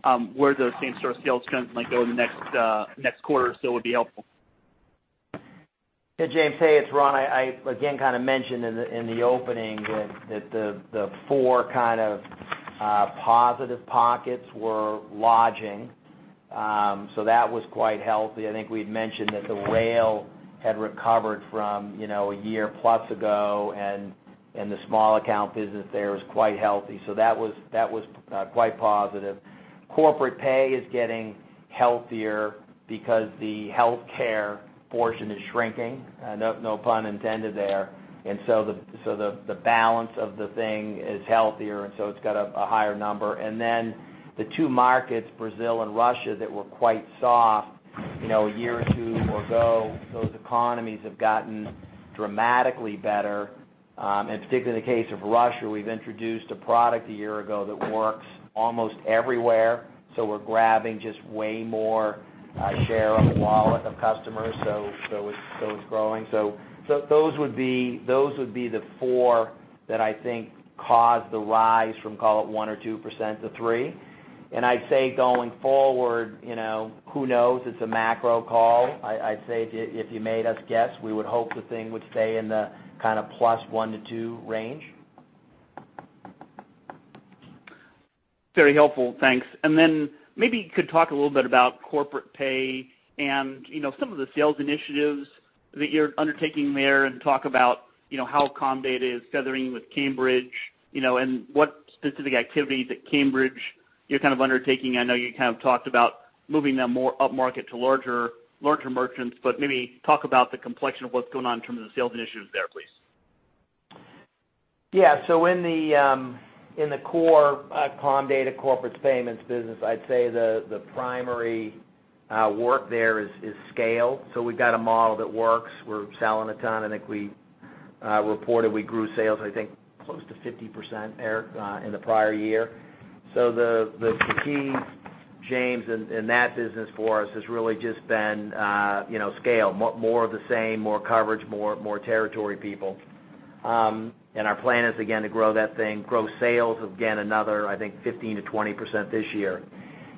of where those same-store sales trends might go in the next quarter or so would be helpful. Hey, James. Hey, it's Ron. I again kind of mentioned in the opening that the four kind of positive pockets were lodging. That was quite healthy. I think we had mentioned that the rail had recovered from a year plus ago, and the small account business there was quite healthy. That was quite positive. Corporate pay is getting healthier because the healthcare portion is shrinking. No pun intended there. The balance of the thing is healthier, and so it's got a higher number. Then the two markets, Brazil and Russia, that were quite soft a year or two ago, those economies have gotten dramatically better. Particularly in the case of Russia, we've introduced a product a year ago that works almost everywhere. We're grabbing just way more share of wallet of customers. It's growing. Those would be the four that I think caused the rise from, call it 1% or 2% to 3%. I'd say going forward, who knows? It's a macro call. I'd say if you made us guess, we would hope the thing would stay in the kind of plus one to two range. Very helpful. Thanks. Maybe you could talk a little bit about Corpay and some of the sales initiatives that you're undertaking there and talk about how Comdata is tethering with Cambridge, and what specific activities at Cambridge you're kind of undertaking. I know you kind of talked about moving them more up market to larger merchants, but maybe talk about the complexion of what's going on in terms of the sales initiatives there, please. In the core Comdata corporate payments business, I'd say the primary work there is scale. We've got a model that works. We're selling a ton. I think we reported we grew sales, I think close to 50%, Eric, in the prior year. The key, James, in that business for us has really just been scale. More of the same, more coverage, more territory people. Our plan is again, to grow that thing, grow sales again, another, I think 15%-20% this year.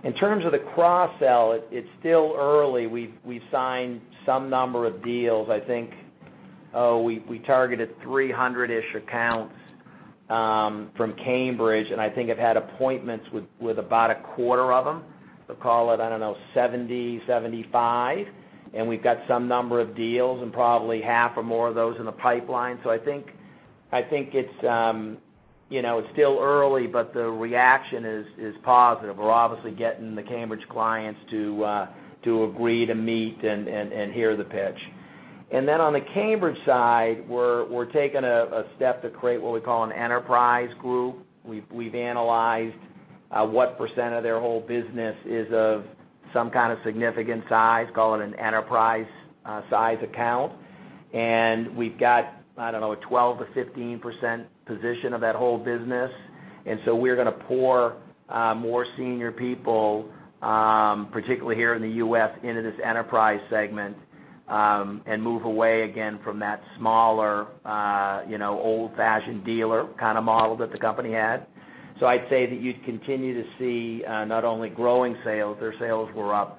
In terms of the cross-sell, it's still early. We've signed some number of deals. I think we targeted 300-ish accounts from Cambridge, and I think have had appointments with about a quarter of them. Call it, I don't know, 70, 75. We've got some number of deals and probably half or more of those in the pipeline. I think it's still early, but the reaction is positive. We're obviously getting the Cambridge clients to agree to meet and hear the pitch. On the Cambridge side, we're taking a step to create what we call an Enterprise Group. We've analyzed what percent of their whole business is of some kind of significant size, call it an enterprise size account. We've got, I don't know, a 12%-15% position of that whole business. We're going to pour more senior people, particularly here in the U.S., into this enterprise segment, and move away again from that smaller, old-fashioned dealer kind of model that the company had. I'd say that you'd continue to see not only growing sales, their sales were up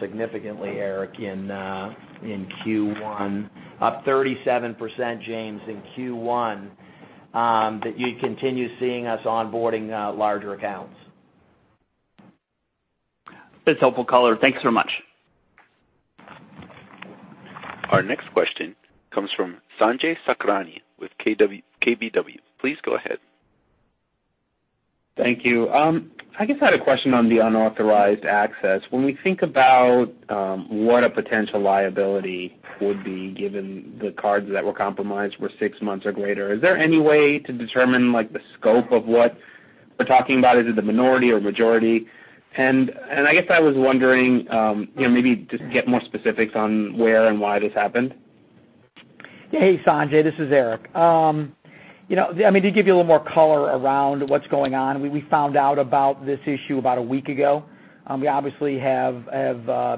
significantly, Eric, in Q1. Up 37%, James, in Q1, that you'd continue seeing us onboarding larger accounts. That's helpful color. Thanks so much. Our next question comes from Sanjay Sakhrani with KBW. Please go ahead. Thank you. I guess I had a question on the unauthorized access. When we think about what a potential liability would be given the cards that were compromised were six months or greater, is there any way to determine the scope of what we're talking about? Is it the minority or majority? I guess I was wondering, maybe just get more specifics on where and why this happened. Hey, Sanjay. This is Eric. To give you a little more color around what's going on, we found out about this issue about a week ago. We obviously have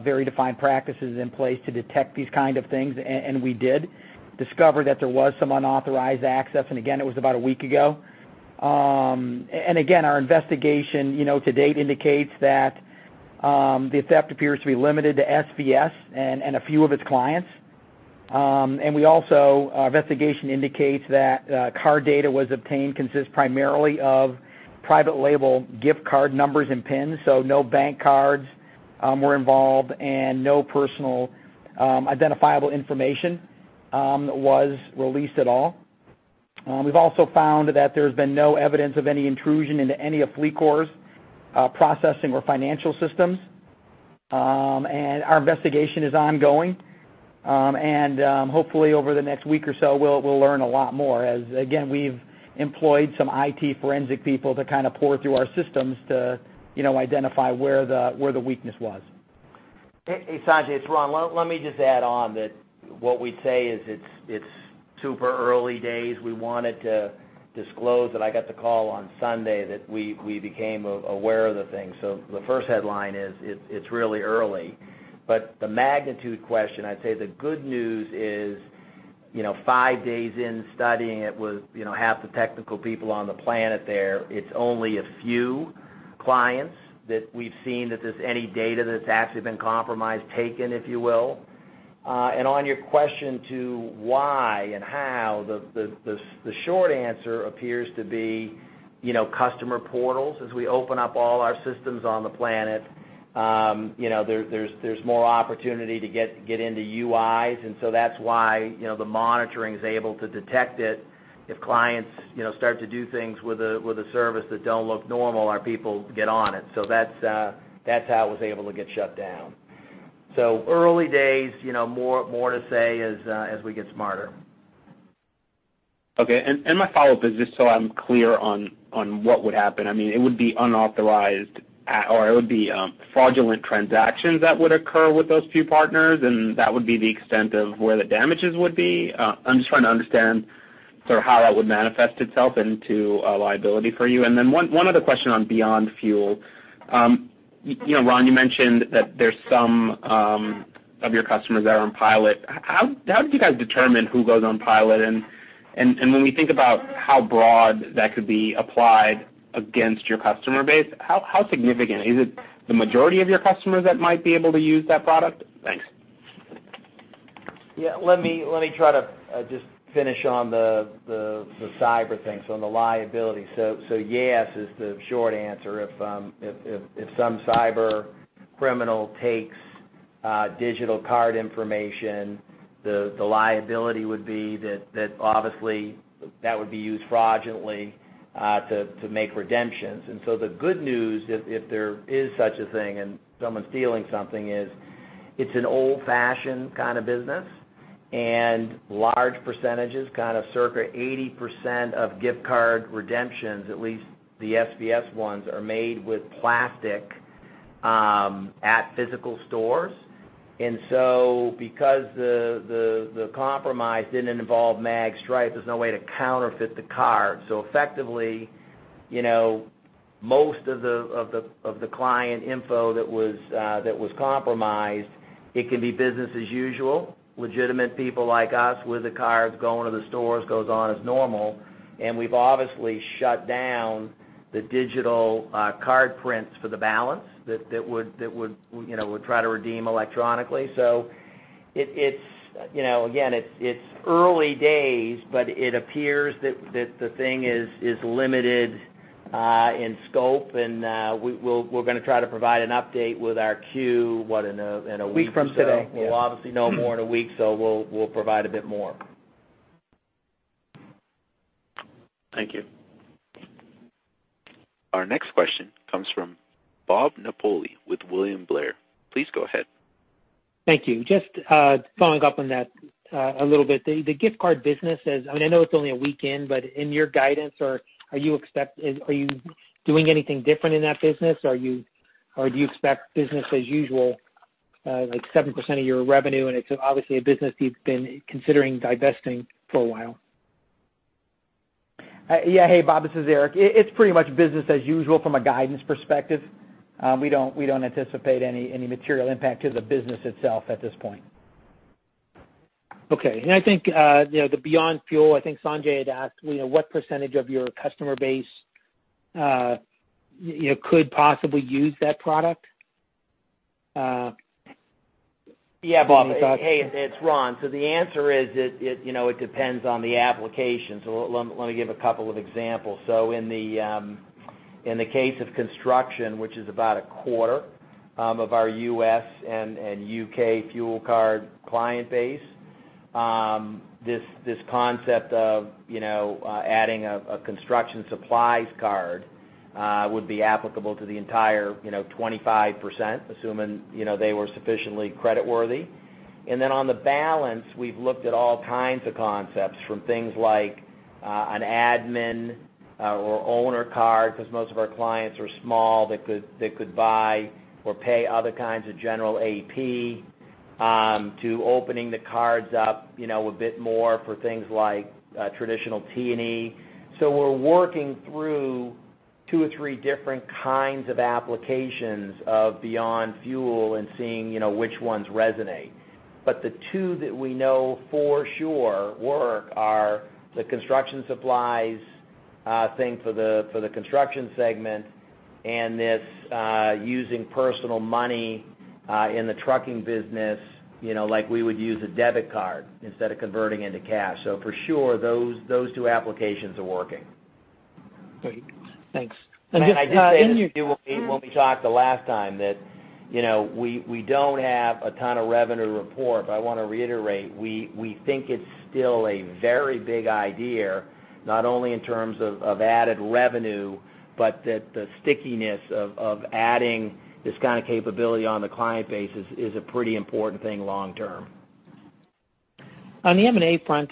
very defined practices in place to detect these kind of things, and we did discover that there was some unauthorized access, again, it was about a week ago. Again, our investigation to date indicates that the theft appears to be limited to SVS and a few of its clients. Also, our investigation indicates that card data was obtained consists primarily of private label gift card numbers and PINs. So no bank cards were involved and no personal identifiable information was released at all. We've also found that there's been no evidence of any intrusion into any of FleetCor's processing or financial systems. Our investigation is ongoing. Hopefully, over the next week or so, we'll learn a lot more as, again, we've employed some IT forensic people to kind of pore through our systems to identify where the weakness was. Hey, Sanjay, it's Ron. Let me just add on that what we'd say is it's super early days. We wanted to disclose that I got the call on Sunday that we became aware of the thing. The first headline is it's really early. The magnitude question, I'd say the good news is five days in studying it with half the technical people on the planet there, it's only a few clients that we've seen that there's any data that's actually been compromised, taken, if you will. On your question to why and how, the short answer appears to be customer portals. As we open up all our systems on the planet, there's more opportunity to get into UIs, and that's why the monitoring's able to detect it. If clients start to do things with a service that don't look normal, our people get on it. That's how it was able to get shut down. Early days. More to say as we get smarter. Okay. My follow-up is just so I'm clear on what would happen. It would be fraudulent transactions that would occur with those few partners, and that would be the extent of where the damages would be? I'm just trying to understand sort of how that would manifest itself into a liability for you. Then one other question on Beyond Fuel. Ron, you mentioned that there's some of your customers that are on pilot. How did you guys determine who goes on pilot? And when we think about how broad that could be applied against your customer base, how significant? Is it the majority of your customers that might be able to use that product? Thanks. Yeah. Let me try to just finish on the cyber thing, so on the liability. Yes is the short answer. If some cyber criminal takes digital card information, the liability would be that obviously that would be used fraudulently to make redemptions. The good news, if there is such a thing and someone's stealing something is it's an old-fashioned kind of business. Large percentages, kind of circa 80% of gift card redemptions, at least the SVS ones, are made with plastic at physical stores. Because the compromise didn't involve magstripe, there's no way to counterfeit the card. Effectively, most of the client info that was compromised, it can be business as usual. Legitimate people like us with the cards going to the stores, goes on as normal, and we've obviously shut down the digital card prints for the balance that would try to redeem electronically. Again, it's early days, but it appears that the thing is limited in scope, and we're going to try to provide an update with our 10-Q, what, in a week? Week from today, yeah. We'll obviously know more in a week, so we'll provide a bit more. Thank you. Our next question comes from Bob Napoli with William Blair. Please go ahead. Thank you. Just following up on that a little bit. The gift card business, I know it's only a week in, but in your guidance, are you doing anything different in that business, or do you expect business as usual? Like 7% of your revenue, and it's obviously a business you've been considering divesting for a while. Hey, Bob, this is Eric. It's pretty much business as usual from a guidance perspective. We don't anticipate any material impact to the business itself at this point. Okay. The Beyond Fuel, I think Sanjay had asked, what percentage of your customer base could possibly use that product? Yeah, Bob. Hey, it's Ron. The answer is, it depends on the application. Let me give a couple of examples. In the case of construction, which is about a quarter of our U.S. and U.K. fuel card client base, this concept of adding a construction supplies card would be applicable to the entire 25%, assuming they were sufficiently credit worthy. On the balance, we've looked at all kinds of concepts, from things like an admin or owner card, because most of our clients are small, that could buy or pay other kinds of general AP, to opening the cards up a bit more for things like traditional T&E. We're working through two or three different kinds of applications of Beyond Fuel and seeing which ones resonate. The two that we know for sure work are the construction supplies thing for the construction segment and this using personal money in the trucking business, like we would use a debit card instead of converting into cash. For sure, those two applications are working. Great. Thanks. I did say when we talked the last time that we don't have a ton of revenue to report, but I want to reiterate, we think it's still a very big idea, not only in terms of added revenue, but that the stickiness of adding this kind of capability on the client base is a pretty important thing long term. On the M&A front,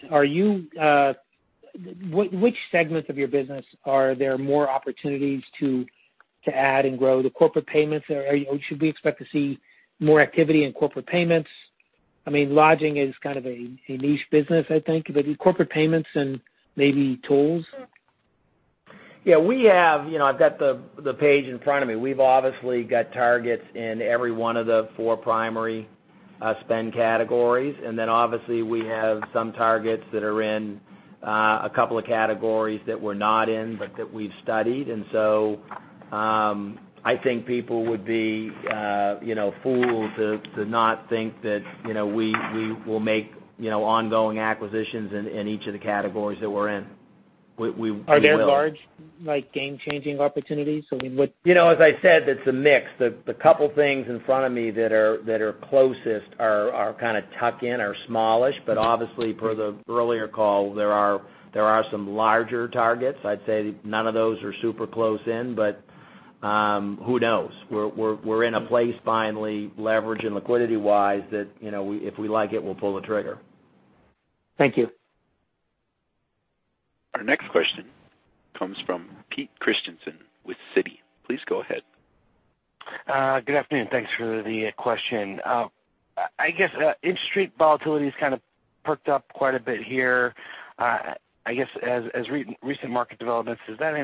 which segments of your business are there more opportunities to add and grow? The corporate payments, should we expect to see more activity in corporate payments? Lodging is kind of a niche business, I think, but corporate payments and maybe tools? Yeah. I've got the page in front of me. We've obviously got targets in every one of the four primary spend categories. Obviously, we have some targets that are in a couple of categories that we're not in, but that we've studied. So, I think people would be fools to not think that we will make ongoing acquisitions in each of the categories that we're in. We will. Are there large game-changing opportunities? As I said, it's a mix. The couple things in front of me that are closest are kind of tuck in, are smallish. Obviously, per the earlier call, there are some larger targets. I'd say none of those are super close in, but who knows? We're in a place finally, leverage and liquidity-wise, that if we like it, we'll pull the trigger. Thank you. Our next question comes from Peter Christensen with Citi. Please go ahead. Good afternoon. Thanks for the question. I guess interest rate volatility has kind of perked up quite a bit here. I guess as recent market developments, has that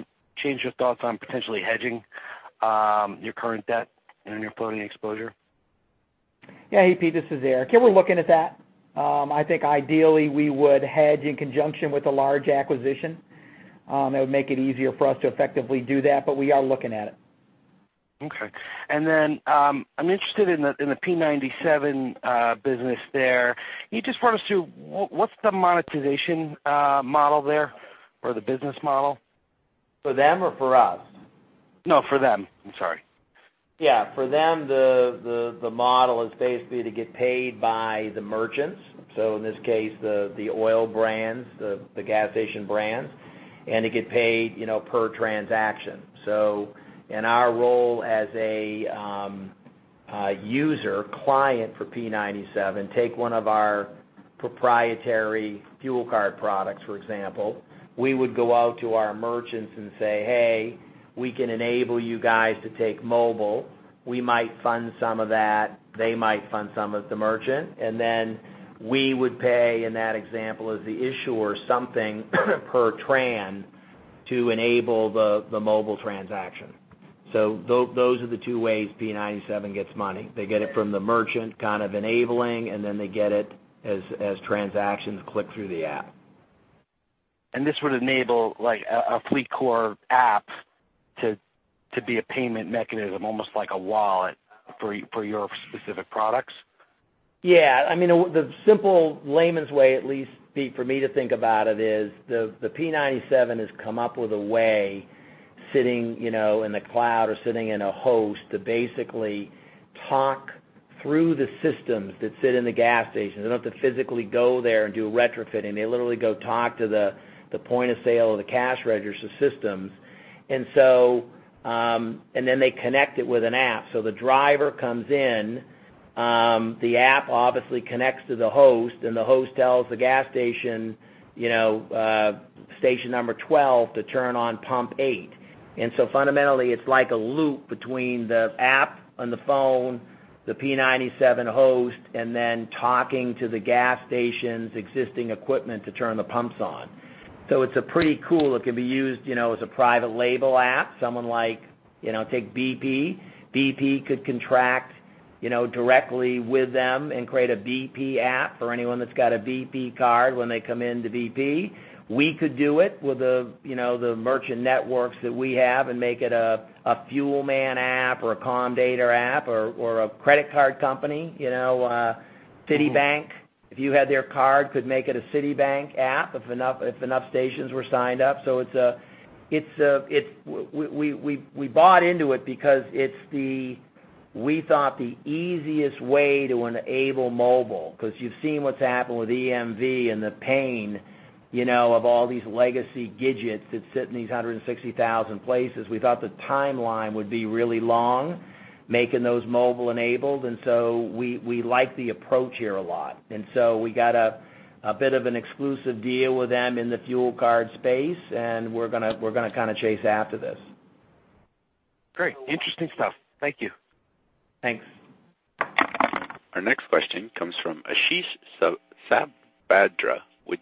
changed your thoughts on potentially hedging your current debt and your floating exposure? Yeah. Hey, Pete, this is Eric. Yeah, we're looking at that. I think ideally we would hedge in conjunction with a large acquisition. It would make it easier for us to effectively do that, but we are looking at it. Okay. Then, I'm interested in the P97 business there. Can you just run us through, what's the monetization model there, or the business model? For them or for us? No, for them. I'm sorry. Yeah. For them, the model is basically to get paid by the merchants, so in this case, the oil brands, the gas station brands, and to get paid per transaction. In our role as a user, client for P97, take one of our proprietary fuel card products, for example. We would go out to our merchants and say, "Hey, we can enable you guys to take mobile." We might fund some of that, they might fund some of the merchant, and then we would pay, in that example, as the issuer, something per tran to enable the mobile transaction. Those are the two ways P97 gets money. They get it from the merchant enabling, and then they get it as transactions click through the app. This would enable a FleetCor app to be a payment mechanism, almost like a wallet for your specific products? Yeah. The simple layman's way, at least for me to think about it is, the P97 has come up with a way, sitting in the cloud or sitting in a host, to basically talk through the systems that sit in the gas station. They don't have to physically go there and do a retrofitting. They literally go talk to the point of sale or the cash register systems. They connect it with an app. The driver comes in, the app obviously connects to the host, and the host tells the gas station number 12 to turn on pump eight. Fundamentally, it's like a loop between the app on the phone, the P97 host, and then talking to the gas station's existing equipment to turn the pumps on. It's pretty cool. It can be used as a private label app. Someone like, take BP. BP could contract directly with them and create a BP app for anyone that's got a BP card when they come into BP. We could do it with the merchant networks that we have and make it a Fuelman app or a Comdata app or a credit card company. Citibank, if you had their card, could make it a Citibank app if enough stations were signed up. We bought into it because it's, we thought, the easiest way to enable mobile, because you've seen what's happened with EMV and the pain of all these legacy widgets that sit in these 160,000 places. We thought the timeline would be really long, making those mobile-enabled, we like the approach here a lot. We got a bit of an exclusive deal with them in the fuel card space, and we're going to chase after this. Great. Interesting stuff. Thank you. Thanks. Our next question comes from Ashish Sabadra with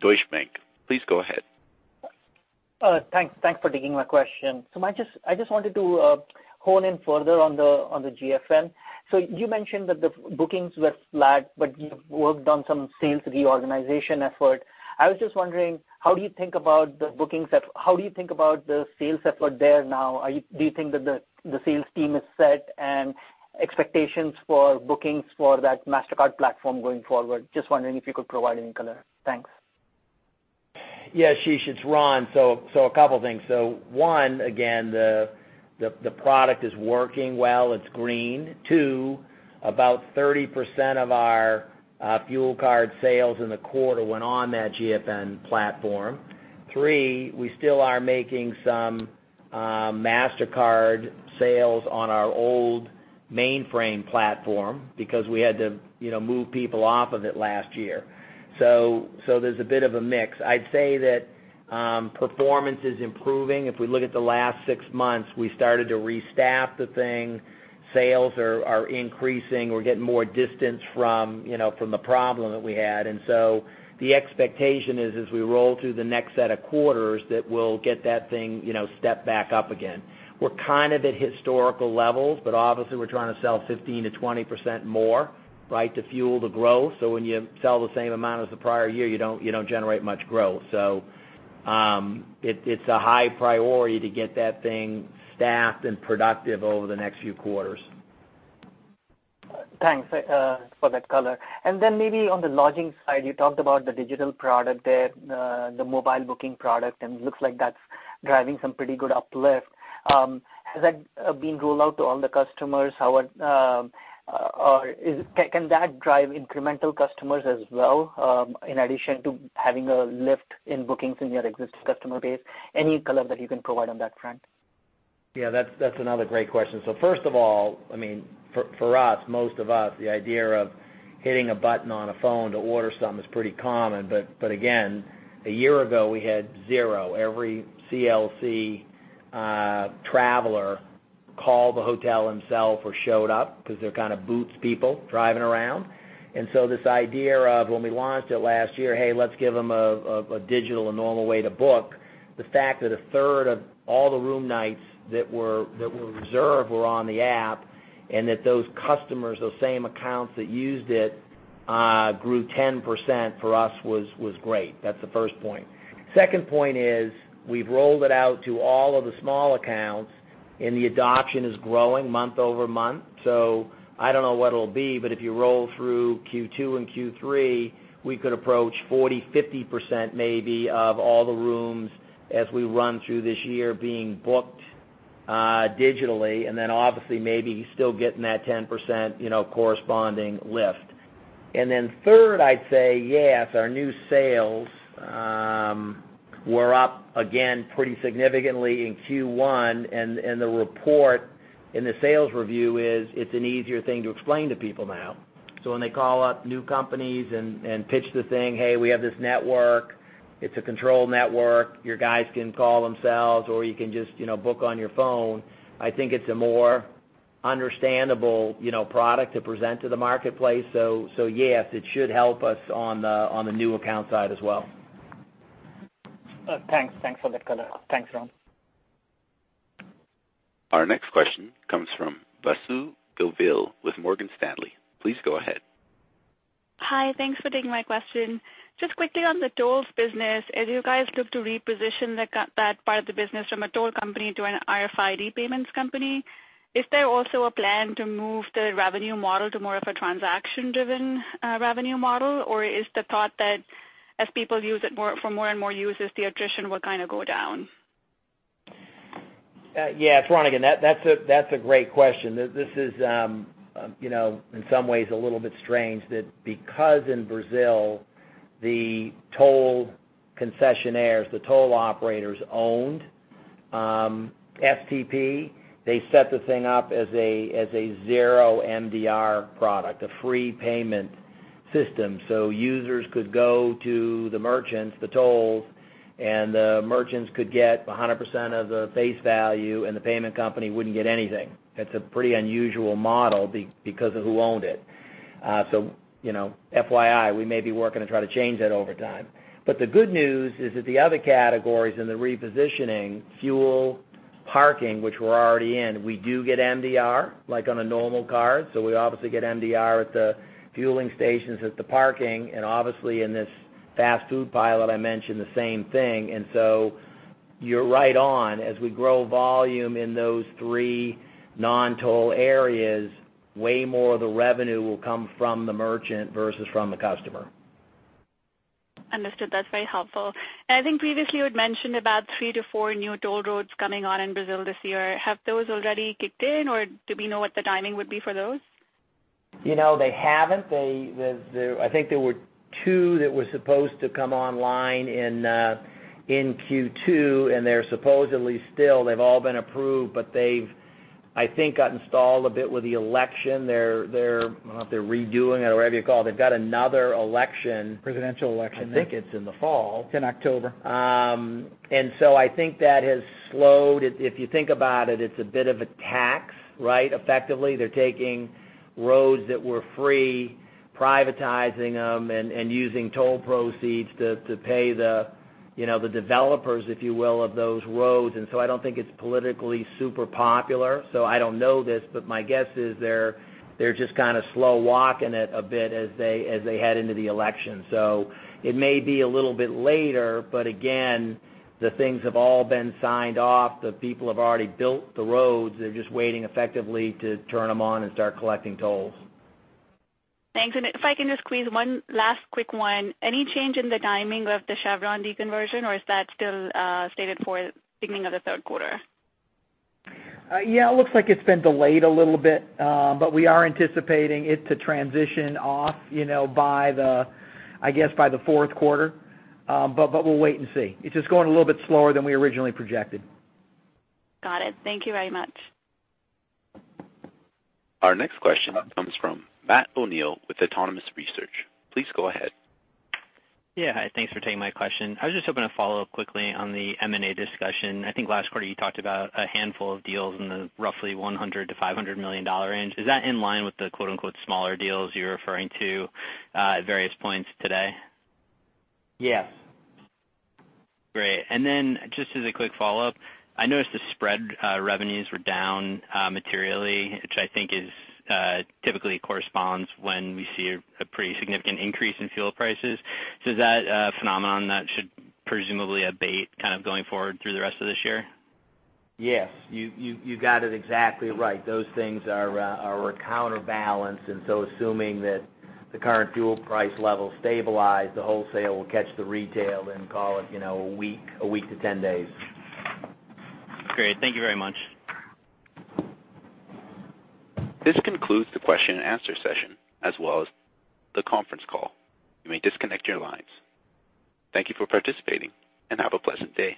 Deutsche Bank. Please go ahead. Thanks for taking my question. I just wanted to hone in further on the GFN. You mentioned that the bookings were flat, but you worked on some sales reorganization effort. I was just wondering, how do you think about the sales effort there now? Do you think that the sales team is set, and expectations for bookings for that Mastercard platform going forward? Just wondering if you could provide any color. Thanks. Yeah, Ashish, it's Ron. A couple things. One, again, the product is working well. It's green. Two, about 30% of our fuel card sales in the quarter went on that GFN platform. Three, we still are making some Mastercard sales on our old mainframe platform because we had to move people off of it last year. There's a bit of a mix. I'd say that performance is improving. If we look at the last six months, we started to restaff the thing. Sales are increasing. We're getting more distance from the problem that we had. The expectation is as we roll through the next set of quarters, that we'll get that thing step back up again. We're at historical levels, but obviously, we're trying to sell 15%-20% more to fuel the growth. When you sell the same amount as the prior year, you don't generate much growth. It's a high priority to get that thing staffed and productive over the next few quarters. Thanks for that color. Maybe on the lodging side, you talked about the digital product there, the mobile booking product, and looks like that's driving some pretty good uplift. Has that been rolled out to all the customers? Can that drive incremental customers as well, in addition to having a lift in bookings in your existing customer base? Any color that you can provide on that front? Yeah, that's another great question. First of all, for us, most of us, the idea of hitting a button on a phone to order something is pretty common, but again, a year ago we had zero. Every CLC traveler called the hotel himself or showed up because they're kind of boots people driving around. This idea of when we launched it last year, "Hey, let's give them a digital and normal way to book," the fact that a third of all the room nights that were reserved were on the app, and that those customers, those same accounts that used it, grew 10% for us was great. That's the first point. Second point is we've rolled it out to all of the small accounts, and the adoption is growing month-over-month. I don't know what it'll be, but if you roll through Q2 and Q3, we could approach 40%-50% maybe of all the rooms as we run through this year being booked digitally, and then obviously maybe still getting that 10% corresponding lift. Third, I'd say, yes, our new sales were up again pretty significantly in Q1, and the report in the sales review is it's an easier thing to explain to people now. When they call up new companies and pitch the thing, "Hey, we have this network. It's a controlled network. Your guys can call themselves, or you can just book on your phone." I think it's a more understandable product to present to the marketplace. Yes, it should help us on the new account side as well. Thanks for the color. Thanks, Ron. Our next question comes from Vasundhara Govil with Morgan Stanley. Please go ahead. Hi. Thanks for taking my question. Just quickly on the tolls business, as you guys look to reposition that part of the business from a toll company to an RFID payments company, is there also a plan to move the revenue model to more of a transaction-driven revenue model? Or is the thought that as people use it for more and more uses, the attrition will kind of go down? Yeah, it's Ron again. That's a great question. This is, in some ways, a little bit strange that because in Brazil, the toll concessionaires, the toll operators owned STP. They set the thing up as a zero MDR product, a free payment system, so users could go to the merchants, the tolls, and the merchants could get 100% of the face value, and the payment company wouldn't get anything. That's a pretty unusual model because of who owned it. FYI, we may be working to try to change that over time. The good news is that the other categories in the repositioning, fuel, parking, which we're already in, we do get MDR, like on a normal card. We obviously get MDR at the fueling stations, at the parking, and obviously in this fast food pilot I mentioned, the same thing. You're right on. As we grow volume in those three non-toll areas, way more of the revenue will come from the merchant versus from the customer. Understood. That's very helpful. I think previously you had mentioned about three to four new toll roads coming on in Brazil this year. Have those already kicked in, or do we know what the timing would be for those? They haven't. I think there were two that were supposed to come online in Q2. They're supposedly still. They've all been approved. They've, I think, got installed a bit with the election. I don't know if they're redoing it or whatever you call it. They've got another election. Presidential election. I think it's in the fall. It's in October. I think that has slowed. If you think about it's a bit of a tax, right? Effectively, they're taking roads that were free, privatizing them, and using toll proceeds to pay the developers, if you will, of those roads. I don't think it's politically super popular. I don't know this, but my guess is they're just kind of slow walking it a bit as they head into the election. It may be a little bit later, but again, the things have all been signed off. The people have already built the roads. They're just waiting effectively to turn them on and start collecting tolls. Thanks. If I can just squeeze one last quick one. Any change in the timing of the Chevron deconversion, or is that still slated for beginning of the third quarter? Yeah, it looks like it's been delayed a little bit, we are anticipating it to transition off, I guess, by the fourth quarter. We'll wait and see. It's just going a little bit slower than we originally projected. Got it. Thank you very much. Our next question comes from Matt O'Neill with Autonomous Research. Please go ahead. Yeah. Hi, thanks for taking my question. I was just hoping to follow up quickly on the M&A discussion. I think last quarter you talked about a handful of deals in the roughly $100 million-$500 million range. Is that in line with the "smaller deals" you're referring to at various points today? Yes. Great. Just as a quick follow-up, I noticed the spread revenues were down materially, which I think typically corresponds when we see a pretty significant increase in fuel prices. Is that a phenomenon that should presumably abate kind of going forward through the rest of this year? Yes. You got it exactly right. Those things are a counterbalance, assuming that the current fuel price levels stabilize, the wholesale will catch the retail in, call it, a week to 10 days. Great. Thank you very much. This concludes the question and answer session as well as the conference call. You may disconnect your lines. Thank you for participating and have a pleasant day.